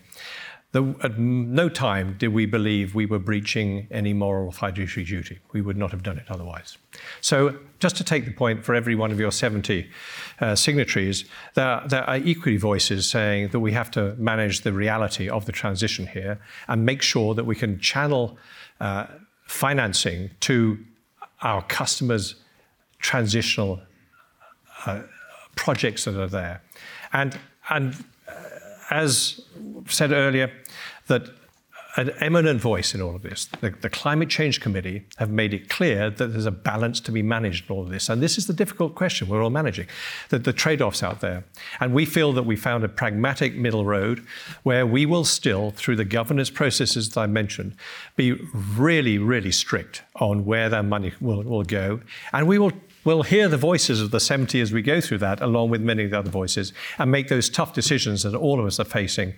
at no time did we believe we were breaching any moral or fiduciary duty. We would not have done it otherwise. Just to take the point for every one of your 70 signatories, there are equally voices saying that we have to manage the reality of the transition here and make sure that we can channel financing to our customers' transitional projects that are there. As said earlier, that an eminent voice in all of this, the Climate Change Committee, have made it clear that there's a balance to be managed in all of this. This is the difficult question we're all managing, the trade-offs out there. We feel that we found a pragmatic middle road where we will still, through the governance processes as I mentioned, be really strict on where their money will go, and we'll hear the voices of the 70 as we go through that, along with many of the other voices, and make those tough decisions that all of us are facing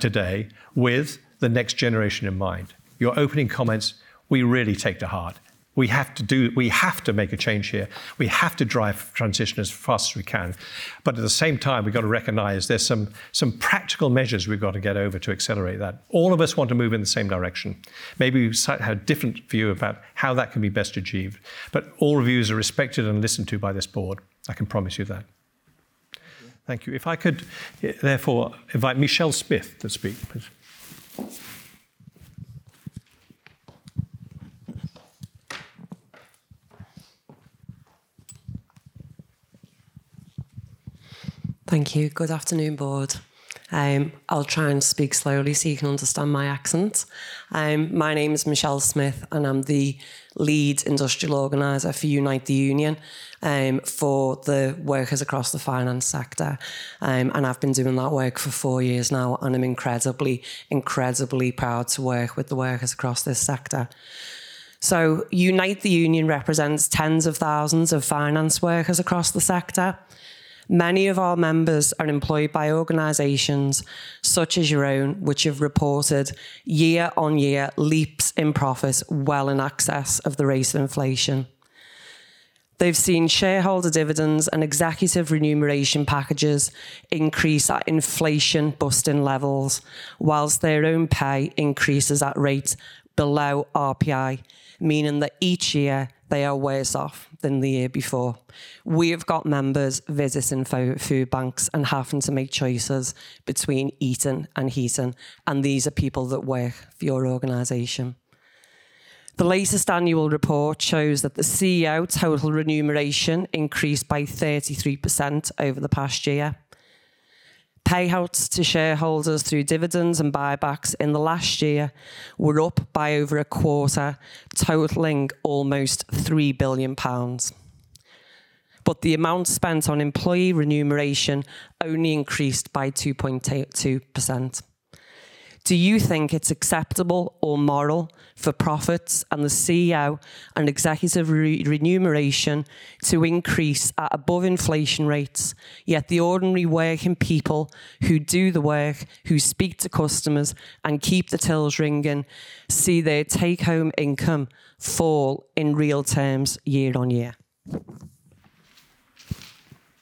today with the next generation in mind. Your opening comments, we really take to heart. We have to make a change here. We have to drive transition as fast as we can. At the same time, we've got to recognize there's some practical measures we've got to get over to accelerate that. All of us want to move in the same direction. Maybe we have different view about how that can be best achieved, but all views are respected and listened to by this Board. I can promise you that. Thank you. Thank you. If I could, therefore invite Michelle Smith to speak, please. Thank you. Good afternoon, board. I'll try and speak slowly so you can understand my accent. My name is Michelle Smith, and I'm the Lead Industrial Organiser for Unite the Union for the workers across the finance sector. I've been doing that work for four years now, and I'm incredibly proud to work with the workers across this sector. Unite the Union represents tens of thousands of finance workers across the sector. Many of our members are employed by organizations such as your own, which have reported year-on-year leaps in profits well in excess of the rate of inflation. They've seen shareholder dividends and executive remuneration packages increase at inflation busting levels, while their own pay increases at rates below RPI, meaning that each year they are worse off than the year before. We have got members visiting food banks and having to make choices between eating and heating. These are people that work for your organization. The latest annual report shows that the CEO total remuneration increased by 33% over the past year. Payouts to shareholders through dividends and buybacks in the last year were up by over a quarter, totaling almost 3 billion pounds. The amount spent on employee remuneration only increased by 2.82%. Do you think it's acceptable or moral for profits and the CEO and executive remuneration to increase at above inflation rates, yet the ordinary working people who do the work, who speak to customers and keep the tills ringing see their take-home income fall in real terms year-on-year?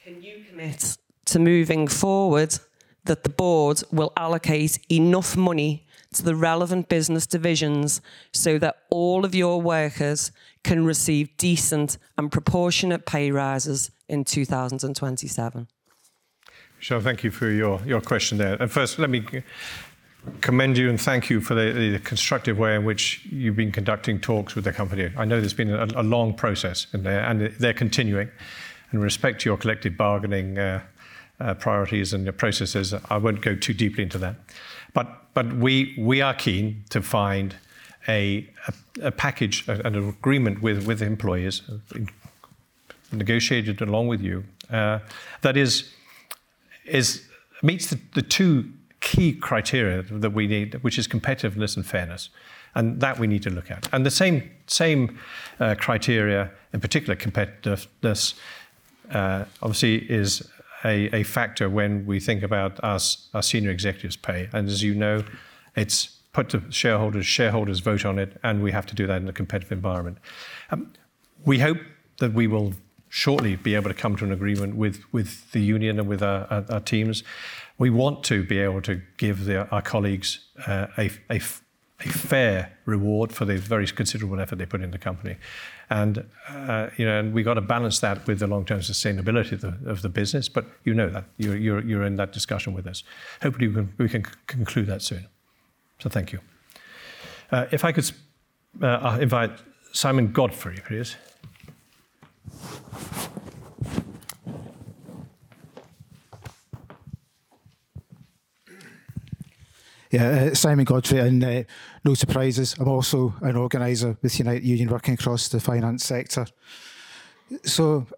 Can you commit to moving forward that the board will allocate enough money to the relevant business divisions so that all of your workers can receive decent and proportionate pay rises in 2027? Michelle, thank you for your question there. First, let me commend you and thank you for the constructive way in which you've been conducting talks with the company. I know there's been a long process in there, and they're continuing. In respect to your collective bargaining priorities and the processes, I won't go too deeply into that. We are keen to find a package and an agreement with the employers, negotiated along with you, that is, meets the two key criteria that we need, which is competitiveness and fairness, and that we need to look at. The same criteria, in particular competitiveness, obviously is a factor when we think about our senior executives' pay. As you know, it's put to shareholders vote on it, and we have to do that in a competitive environment. We hope that we will shortly be able to come to an agreement with the union and with our teams. We want to be able to give our colleagues a fair reward for the very considerable effort they put in the company. You know, we gotta balance that with the long-term sustainability of the business, but you know that. You were in that discussion with us. Hopefully, we can conclude that soon. Thank you. If I could invite Simon Godfrey please. Simon Godfrey, no surprises, I'm also an Organizer with Unite the Union working across the finance sector.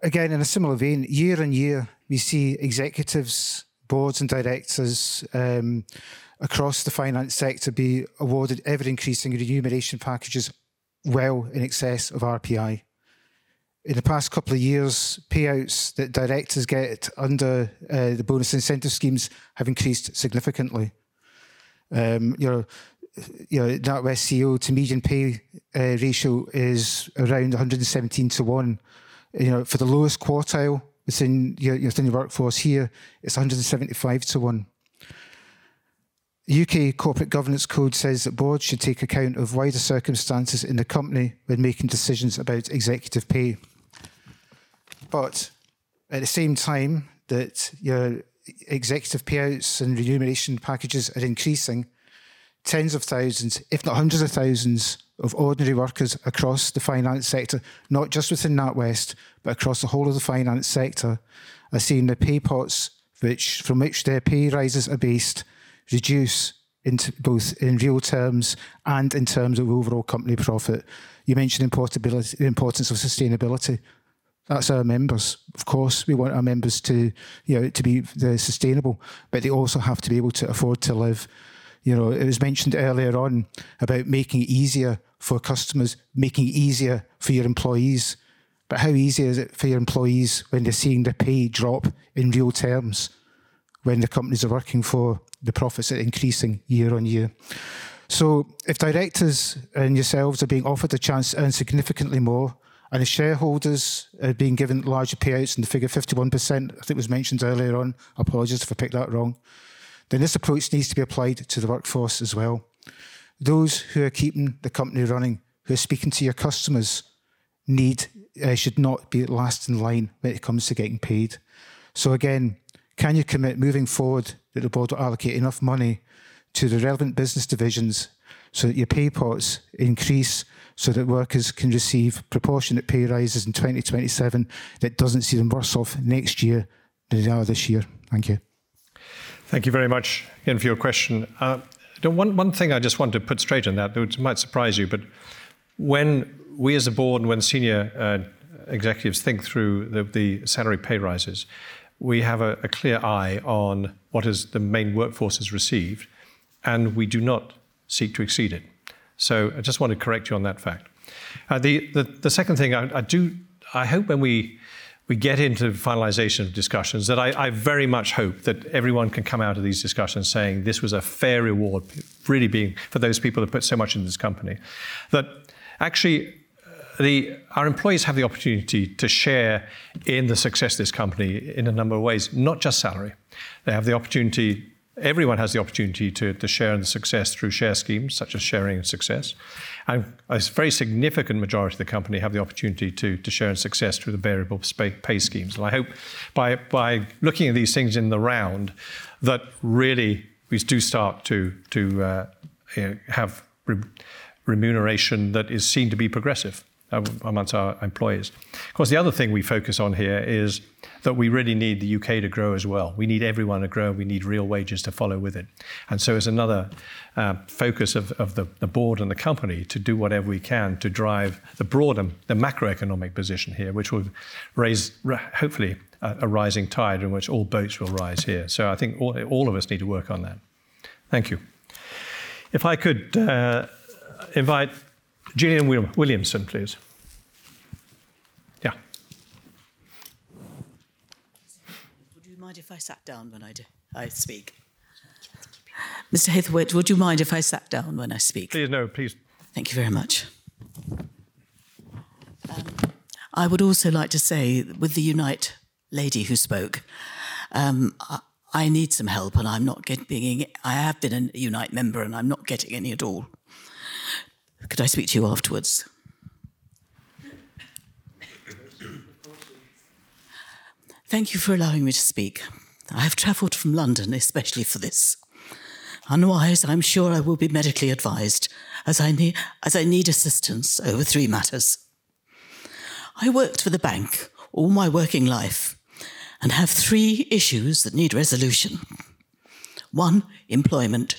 Again, in a similar vein, year-on-year, we see executives, boards, and directors across the finance sector be awarded ever-increasing remuneration packages well in excess of RPI. In the past couple of years, payouts that directors get under the bonus incentive schemes have increased significantly. You know, NatWest CEO to median pay ratio is around 117:1. You know, for the lowest quartile within your, within your workforce here, it's 175:1. U.K. Corporate Governance Code says that boards should take account of wider circumstances in the company when making decisions about executive pay. At the same time that your executive payouts and remuneration packages are increasing, tens of thousands, if not hundreds of thousands of ordinary workers across the finance sector, not just within NatWest, but across the whole of the finance sector, are seeing their pay pots which, from which their pay rises are based, reduce, both in real terms and in terms of overall company profit. You mentioned importance of sustainability. That is our members. We want our members to, you know, to be sustainable, but they also have to be able to afford to live. You know, it was mentioned earlier on about making it easier for customers, making it easier for your employees. How easy is it for your employees when they are seeing their pay drop in real terms when the companies they are working for, the profits are increasing year-on-year? If directors and yourselves are being offered the chance to earn significantly more, and the shareholders are being given larger payouts, and the figure 51% I think was mentioned earlier on, apologies if I picked that wrong, then this approach needs to be applied to the workforce as well. Those who are keeping the company running, who are speaking to your customers need, should not be last in line when it comes to getting paid. Again, can you commit moving forward that the Board will allocate enough money to the relevant business divisions so that your pay pots increase so that workers can receive proportionate pay rises in 2027 that doesn't see them worse off next year than they are this year? Thank you. Thank you very much again for your question. The one thing I just want to put straight on that, though it might surprise you, but when we as a board and when senior executives think through the salary pay rises, we have a clear eye on what has the main workforce has received, and we do not seek to exceed it. I just want to correct you on that fact. The second thing I hope when we get into finalization of discussions, that I very much hope that everyone can come out of these discussions saying this was a fair reward, really being for those people who put so much into this company. That actually, our employees have the opportunity to share in the success of this company in a number of ways, not just salary. They have the opportunity, everyone has the opportunity to share in the success through share schemes, such as Sharing in Success. A very significant majority of the company have the opportunity to share in success through the variable pay schemes. I hope by looking at these things in the round, that really we do start to, you know, have remuneration that is seen to be progressive amongst our employees. Of course, the other thing we focus on here is that we really need the U.K. to grow as well. We need everyone to grow, and we need real wages to follow with it. As another focus of the Board and the company to do whatever we can to drive the broader, the macroeconomic position here, which would raise hopefully a rising tide in which all boats will rise here. I think all of us need to work on that. Thank you. If I could invite Gillian Williamson, please. Yeah. Would you mind if I sat down when I speak? Rick Haythornthwaite, would you mind if I sat down when I speak? Please, no. Please. Thank you very much. I would also like to say, with the Unite lady who spoke, I need some help, and I'm not being. I have been a Unite member, and I'm not getting any at all. Could I speak to you afterwards? Of course. Of course. Thank you for allowing me to speak. I have traveled from London especially for this. Unwise, I'm sure I will be medically advised, as I need assistance over three matters. I worked for the bank all my working life and have three issues that need resolution. One, employment.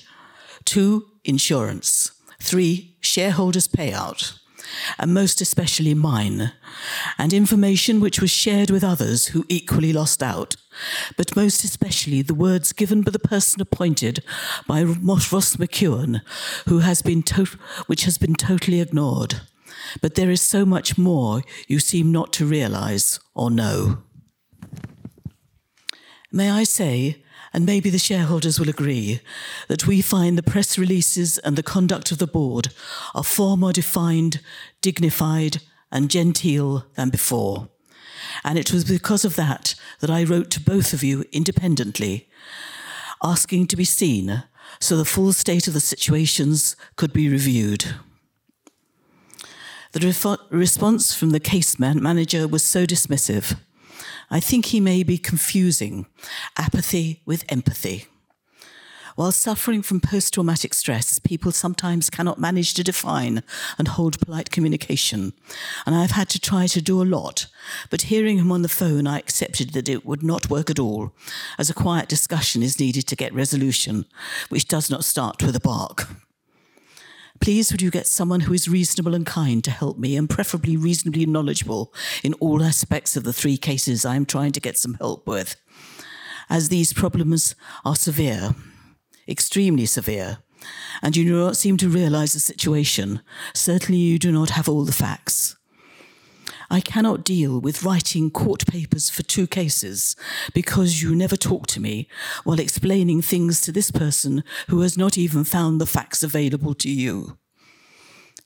Two, insurance. Three, shareholders payout, and most especially mine, and information which was shared with others who equally lost out. Most especially the words given by the person appointed by Ross McEwan, which has been totally ignored. There is so much more you seem not to realize or know. May I say, and maybe the shareholders will agree, that we find the press releases and the conduct of the board are far more defined, dignified, and genteel than before, and it was because of that that I wrote to both of you independently, asking to be seen so the full state of the situations could be reviewed. The response from the case manager was so dismissive. I think he may be confusing apathy with empathy. While suffering from post-traumatic stress, people sometimes cannot manage to define and hold polite communication, and I've had to try to do a lot. But hearing him on the phone, I accepted that it would not work at all, as a quiet discussion is needed to get resolution, which does not start with a bark. Please, would you get someone who is reasonable and kind to help me, and preferably reasonably knowledgeable in all aspects of the three cases I'm trying to get some help with, as these problems are severe, extremely severe, and you do not seem to realize the situation. Certainly, you do not have all the facts. I cannot deal with writing court papers for two cases because you never talk to me while explaining things to this person who has not even found the facts available to you.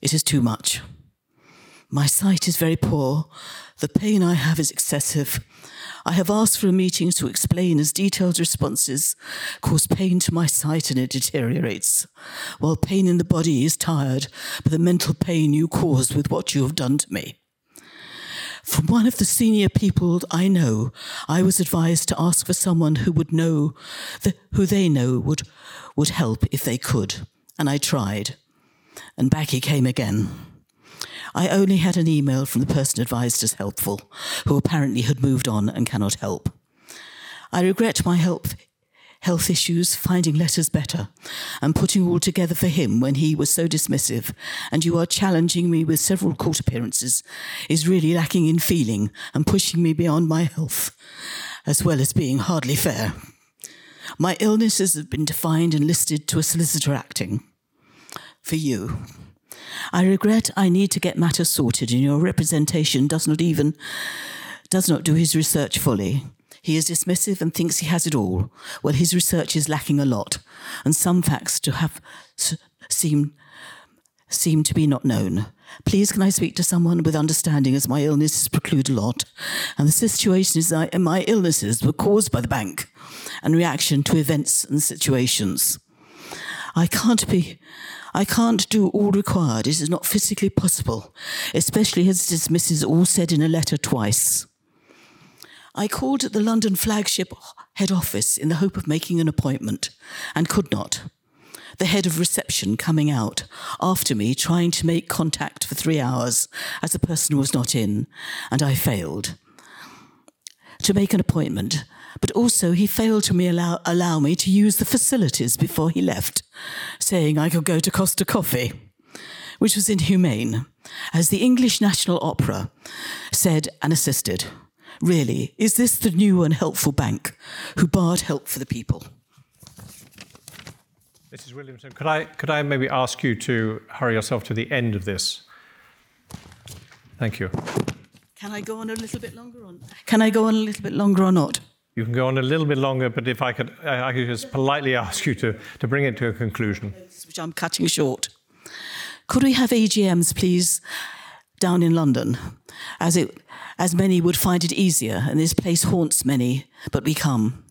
It is too much. My sight is very poor. The pain I have is excessive. I have asked for a meeting to explain, as detailed responses cause pain to my sight and it deteriorates. While pain in the body is tired, but the mental pain you cause with what you have done to me. From one of the senior people I know, I was advised to ask for someone who would know who they know would help if they could. I tried, and back he came again. I only had an email from the person advised as helpful, who apparently had moved on and cannot help. I regret my health issues, finding letters better, and putting all together for him when he was so dismissive, and you are challenging me with several court appearances, is really lacking in feeling and pushing me beyond my health, as well as being hardly fair. My illnesses have been defined and listed to a solicitor acting for you. I regret I need to get matters sorted. Your representation does not even do his research fully. He is dismissive and thinks he has it all, well, his research is lacking a lot, and some facts seem to be not known. Please can I speak to someone with understanding, as my illnesses preclude a lot, and the situation is and my illnesses were caused by the bank and reaction to events and situations. I can't do all required. It is not physically possible, especially as dismissed as all said in a letter twice. I called the London flagship head office in the hope of making an appointment and could not. The head of reception coming out after me trying to make contact for 3 hours as the person was not in, and I failed to make an appointment. Also he failed to me allow me to use the facilities before he left, saying I could go to Costa Coffee, which was inhumane, as the English National Opera said and assisted. Really, is this the new and helpful bank who barred help for the people? Mrs. Williamson, could I maybe ask you to hurry yourself to the end of this? Thank you. Can I go on a little bit longer or not? You can go on a little bit longer, but if I could, I could just politely ask you to bring it to a conclusion. Yes, which I'm cutting short. Could we have AGMs, please, down in London? As many would find it easier, and this place haunts many, but we come.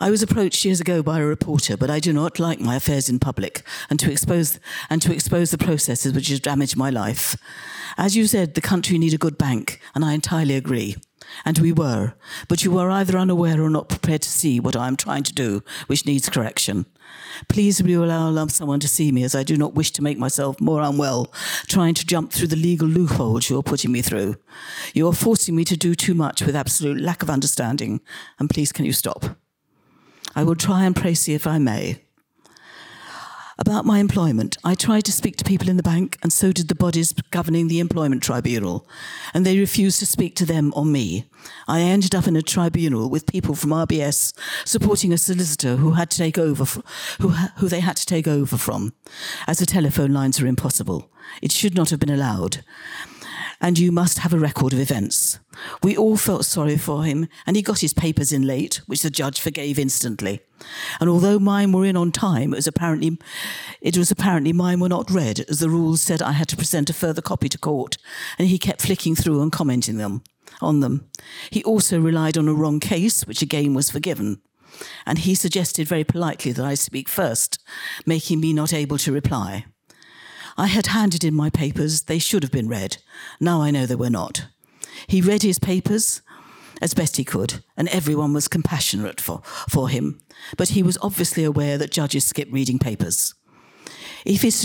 I was approached years ago by a reporter, but I do not like my affairs in public, and to expose the processes which has damaged my life. As you said, the country needs a good bank, and I entirely agree. We were. You were either unaware or not prepared to see what I'm trying to do, which needs correction. Please will you allow a loved someone to see me, as I do not wish to make myself more unwell trying to jump through the legal loopholes you're putting me through. You're forcing me to do too much with absolute lack of understanding, and please can you stop? I will try and proceed if I may. About my employment, I tried to speak to people in the bank and so did the bodies governing the employment tribunal, and they refused to speak to them or me. I ended up in a tribunal with people from RBS supporting a solicitor who they had to take over from, as the telephone lines were impossible. You must have a record of events. He got his papers in late, which the judge forgave instantly. Although mine were in on time, it was apparently mine were not read, as the rules said I had to present a further copy to court, and he kept flicking through and commenting on them. He also relied on a wrong case, which again was forgiven, and he suggested very politely that I speak first, making me not able to reply. I had handed in my papers. They should have been read. Now I know they were not. He read his papers as best he could, and everyone was compassionate for him, but he was obviously aware that judges skip reading papers. If his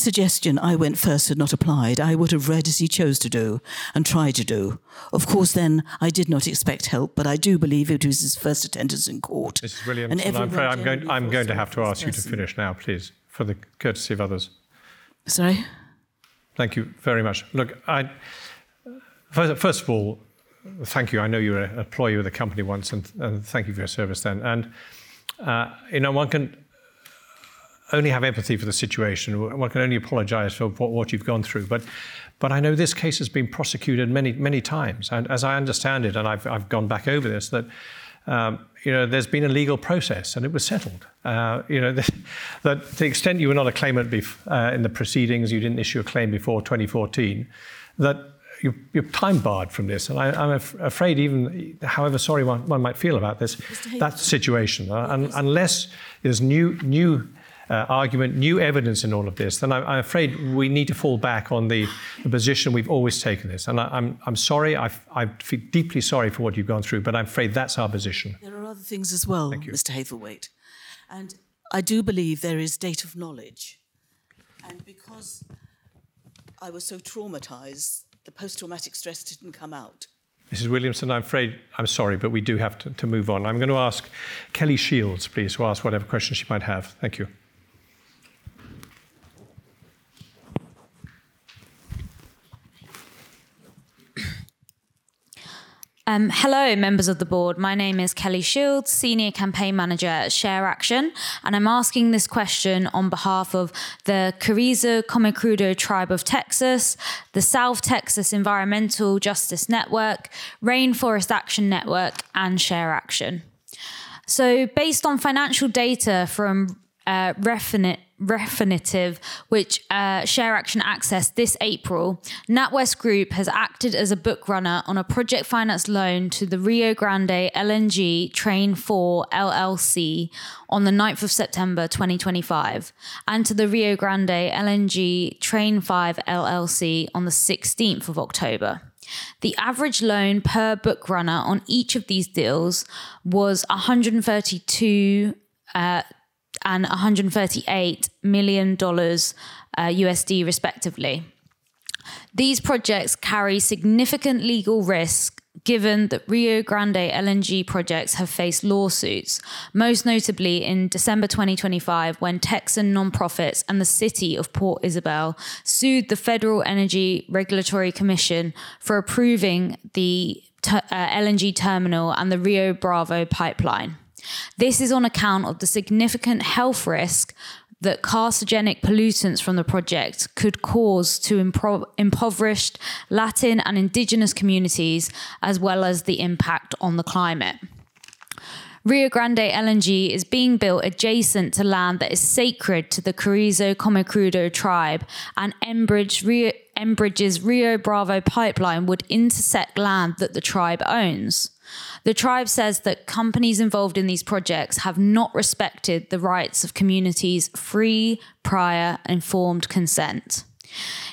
suggestion I went first had not applied, I would have read as he chose to do and tried to do. Of course, then I did not expect help, but I do believe it was his first attendance in court. Mrs. Williamson, I'm afraid I'm going to have to ask you to finish now, please, for the courtesy of others. Sorry? Thank you very much. Look, first of all, thank you. I know you were an employee with the company once, and thank you for your service then. You know, one can only have empathy for the situation. One can only apologize for what you've gone through. I know this case has been prosecuted many times. As I understand it, and I've gone back over this, that, you know, there's been a legal process, and it was settled. You know, to the extent you were not a claimant in the proceedings, you didn't issue a claim before 2014, that you're time-barred from this. I'm afraid even however sorry one might feel about this. Mr. Haythornthwaite... that's the situation. Unless there's new argument, new evidence in all of this, then I'm afraid we need to fall back on the position we've always taken this. I'm sorry. I feel deeply sorry for what you've gone through, but I'm afraid that's our position. There are other things as well. Thank you. Mr. Haythornthwaite. I do believe there is date of knowledge. Because I was so traumatized, the post-traumatic stress didn't come out. Mrs Williamson, I'm sorry, we do have to move on. I'm gonna ask Kelly Shields, please, to ask whatever questions she might have. Thank you. Hello, members of the board. My name is Kelly Shields, Senior Campaign Manager at ShareAction. I'm asking this question on behalf of the Carrizo/Comecrudo Tribe of Texas, the South Texas Environmental Justice Network, Rainforest Action Network, and ShareAction. Based on financial data from Refinitiv, which ShareAction accessed this April, NatWest Group has acted as a bookrunner on a project finance loan to the Rio Grande LNG Train 4 LLC on the 9th of September 2025, and to the Rio Grande LNG Train 5 LLC on the 16th of October. The average loan per bookrunner on each of these deals was $132 million and $138 million respectively. These projects carry significant legal risk given that Rio Grande LNG projects have faced lawsuits, most notably in December 2025 when Texan nonprofits and the City of Port Isabel sued the Federal Energy Regulatory Commission for approving the LNG terminal and the Rio Bravo Pipeline. This is on account of the significant health risk that carcinogenic pollutants from the project could cause to impoverished Latin and Indigenous communities, as well as the impact on the climate. Rio Grande LNG is being built adjacent to land that is sacred to the Carrizo/Comecrudo Tribe, and Enbridge's Rio Bravo Pipeline would intersect land that the tribe owns. The tribe says that companies involved in these projects have not respected the rights of communities' free, prior, and informed consent.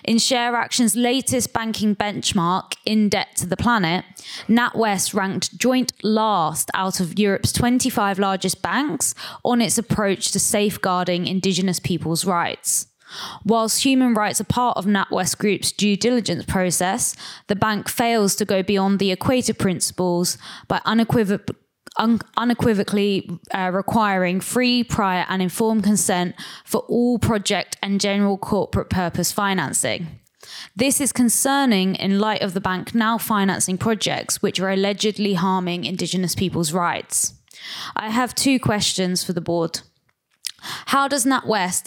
In ShareAction's latest banking benchmark, In Debt to the Planet, NatWest ranked joint last out of Europe's 25 largest banks on its approach to safeguarding Indigenous peoples' rights. Human rights are part of NatWest Group's due diligence process, the bank fails to go beyond the Equator Principles by unequivocally requiring free, prior, and informed consent for all project and general corporate purpose financing. This is concerning in light of the bank now financing projects which are allegedly harming Indigenous peoples' rights. I have two questions for the board. How does NatWest,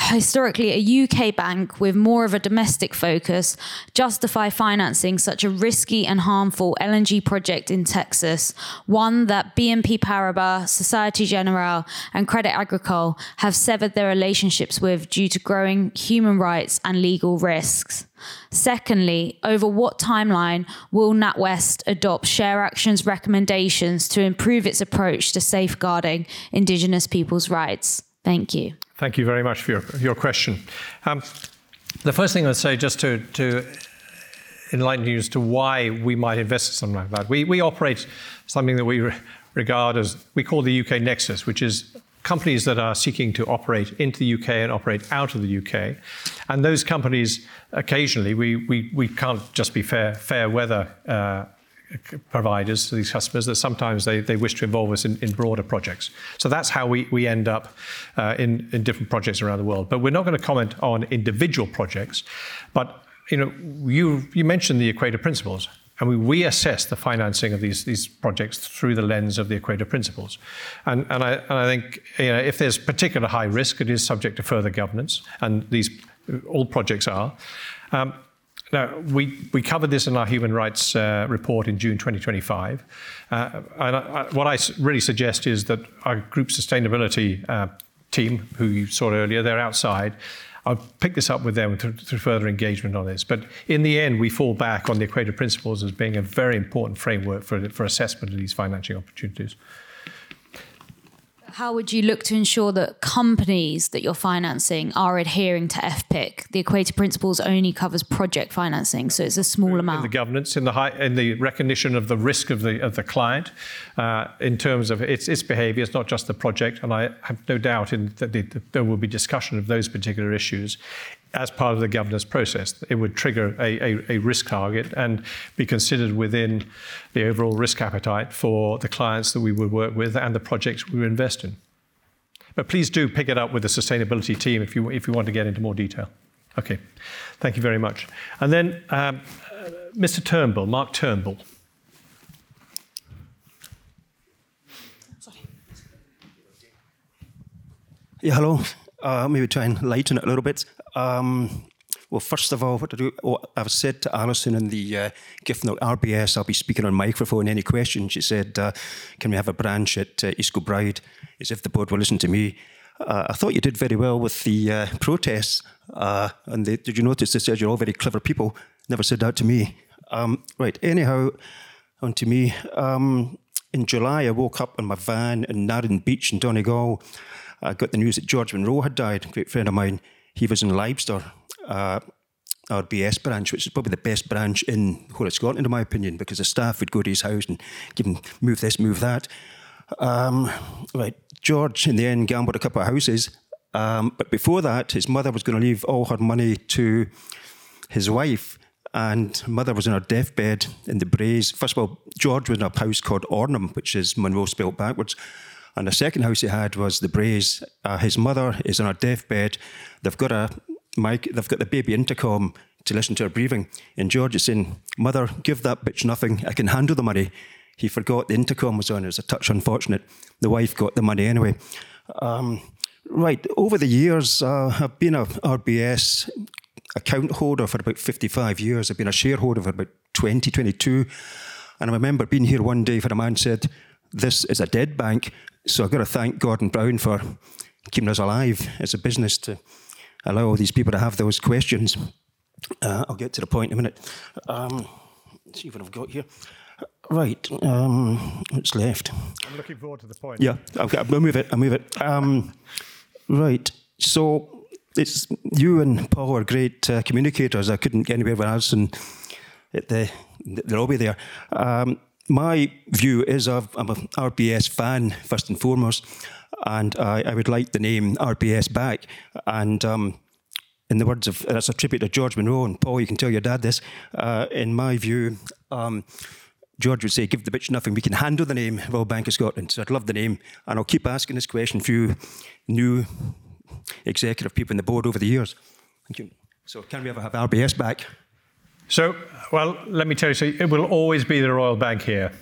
historically a U.K. bank with more of a domestic focus, justify financing such a risky and harmful LNG project in Texas, one that BNP Paribas, Société Générale, and Crédit Agricole have severed their relationships with due to growing human rights and legal risks? Secondly, over what timeline will NatWest adopt ShareAction's recommendations to improve its approach to safeguarding Indigenous peoples' rights? Thank you. Thank you very much for your question. The first thing I would say just to enlighten you as to why we might invest something like that. We operate something that we call the UK nexus, which is companies that are seeking to operate into the U.K. and operate out of the U.K. Those companies, occasionally, we can't just be fair weather providers to these customers, that sometimes they wish to involve us in broader projects. That's how we end up in different projects around the world. We're not gonna comment on individual projects. You know, you mentioned the Equator Principles, we assess the financing of these projects through the lens of the Equator Principles. I think, you know, if there's particular high risk, it is subject to further governance, and all projects are. Now, we covered this in our human rights report in June 2025. What I really suggest is that our group sustainability team, who you saw earlier, they're outside. I'll pick this up with them to further engagement on this. In the end, we fall back on the Equator Principles as being a very important framework for assessment of these financing opportunities. How would you look to ensure that companies that you're financing are adhering to FPIC? The Equator Principles only covers project financing, so it's a small amount. In the governance, in the recognition of the risk of the client, in terms of its behavior. It's not just the project. I have no doubt in that there will be discussion of those particular issues as part of the governance process. It would trigger a risk target and be considered within the overall risk appetite for the clients that we would work with and the projects we invest in. Please do pick it up with the sustainability team if you want to get into more detail. Okay. Thank you very much. Then, Mr. Turnbull, Mark Turnbull. Sorry. Hello. Maybe try and lighten it a little bit. Well, first of all, what I've said to Alison in the gift note, RBS, I'll be speaking on microphone. Any questions, she said, "Can we have a branch at East Kilbride?" As if the board will listen to me. I thought you did very well with the protests. Did you notice they said you're all very clever people? Never said that to me. Right. Anyhow, onto me. In July, I woke up in my van in Narin Beach in Donegal. I got the news that George Munro had died, a great friend of mine. He was in Lybster, RBS branch, which is probably the best branch in the whole of Scotland, in my opinion, because the staff would go to his house and he can move this, move that. Right. George in the end gambled a couple of houses. Before that, his mother was gonna leave all her money to his wife, and mother was on her deathbed in the Braes. First of all, George was in a house called Ornum, which is Munro spelled backwards. The second house he had was the Braes. His mother is on her deathbed. They've got the baby intercom to listen to her breathing. George is saying, "Mother, give that nothing. I can handle the money." He forgot the intercom was on. It was a touch unfortunate. The wife got the money anyway. Right. Over the years, I've been a RBS account holder for about 55 years. I've been a shareholder for about 20, 22. I remember being here one day for a man said, "This is a dead bank," so I gotta thank Gordon Brown for keeping us alive as a business to allow all these people to have those questions. I'll get to the point in a minute. Let's see what I've got here. Right. What's left? I'm looking forward to the point. Yeah. I'll move it. I'll move it. Right. You and Paul are great communicators. I couldn't get anywhere with Alison Rose. They're all be there. My view is I'm a RBS fan first and foremost, and I would like the name RBS back. As a tribute to George Munro, and Paul, you can tell your dad this. In my view, George Munro would say, "Give the nothing. We can handle the name Royal Bank of Scotland." I'd love the name, and I'll keep asking this question for you, new executive people on the board over the years. Thank you. Can we ever have RBS back? Well, let me tell you. It will always be the Royal Bank here.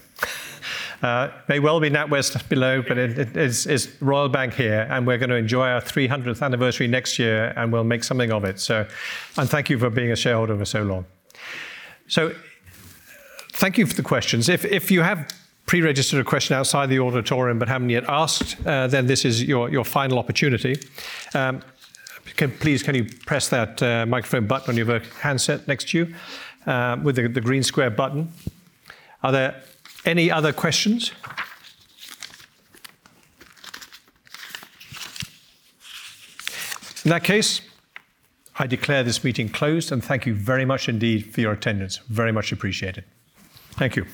May well be NatWest below, but it is, it's Royal Bank here, and we're going to enjoy our 300th anniversary next year, and we'll make something of it. Thank you for being a shareholder for so long. Thank you for the questions. If you have pre-registered a question outside the auditorium but haven't yet asked, then this is your final opportunity. Please, can you press that microphone button on your handset next to you, with the green square button. Are there any other questions? In that case, I declare this meeting closed, and thank you very much indeed for your attendance. Very much appreciated. Thank you.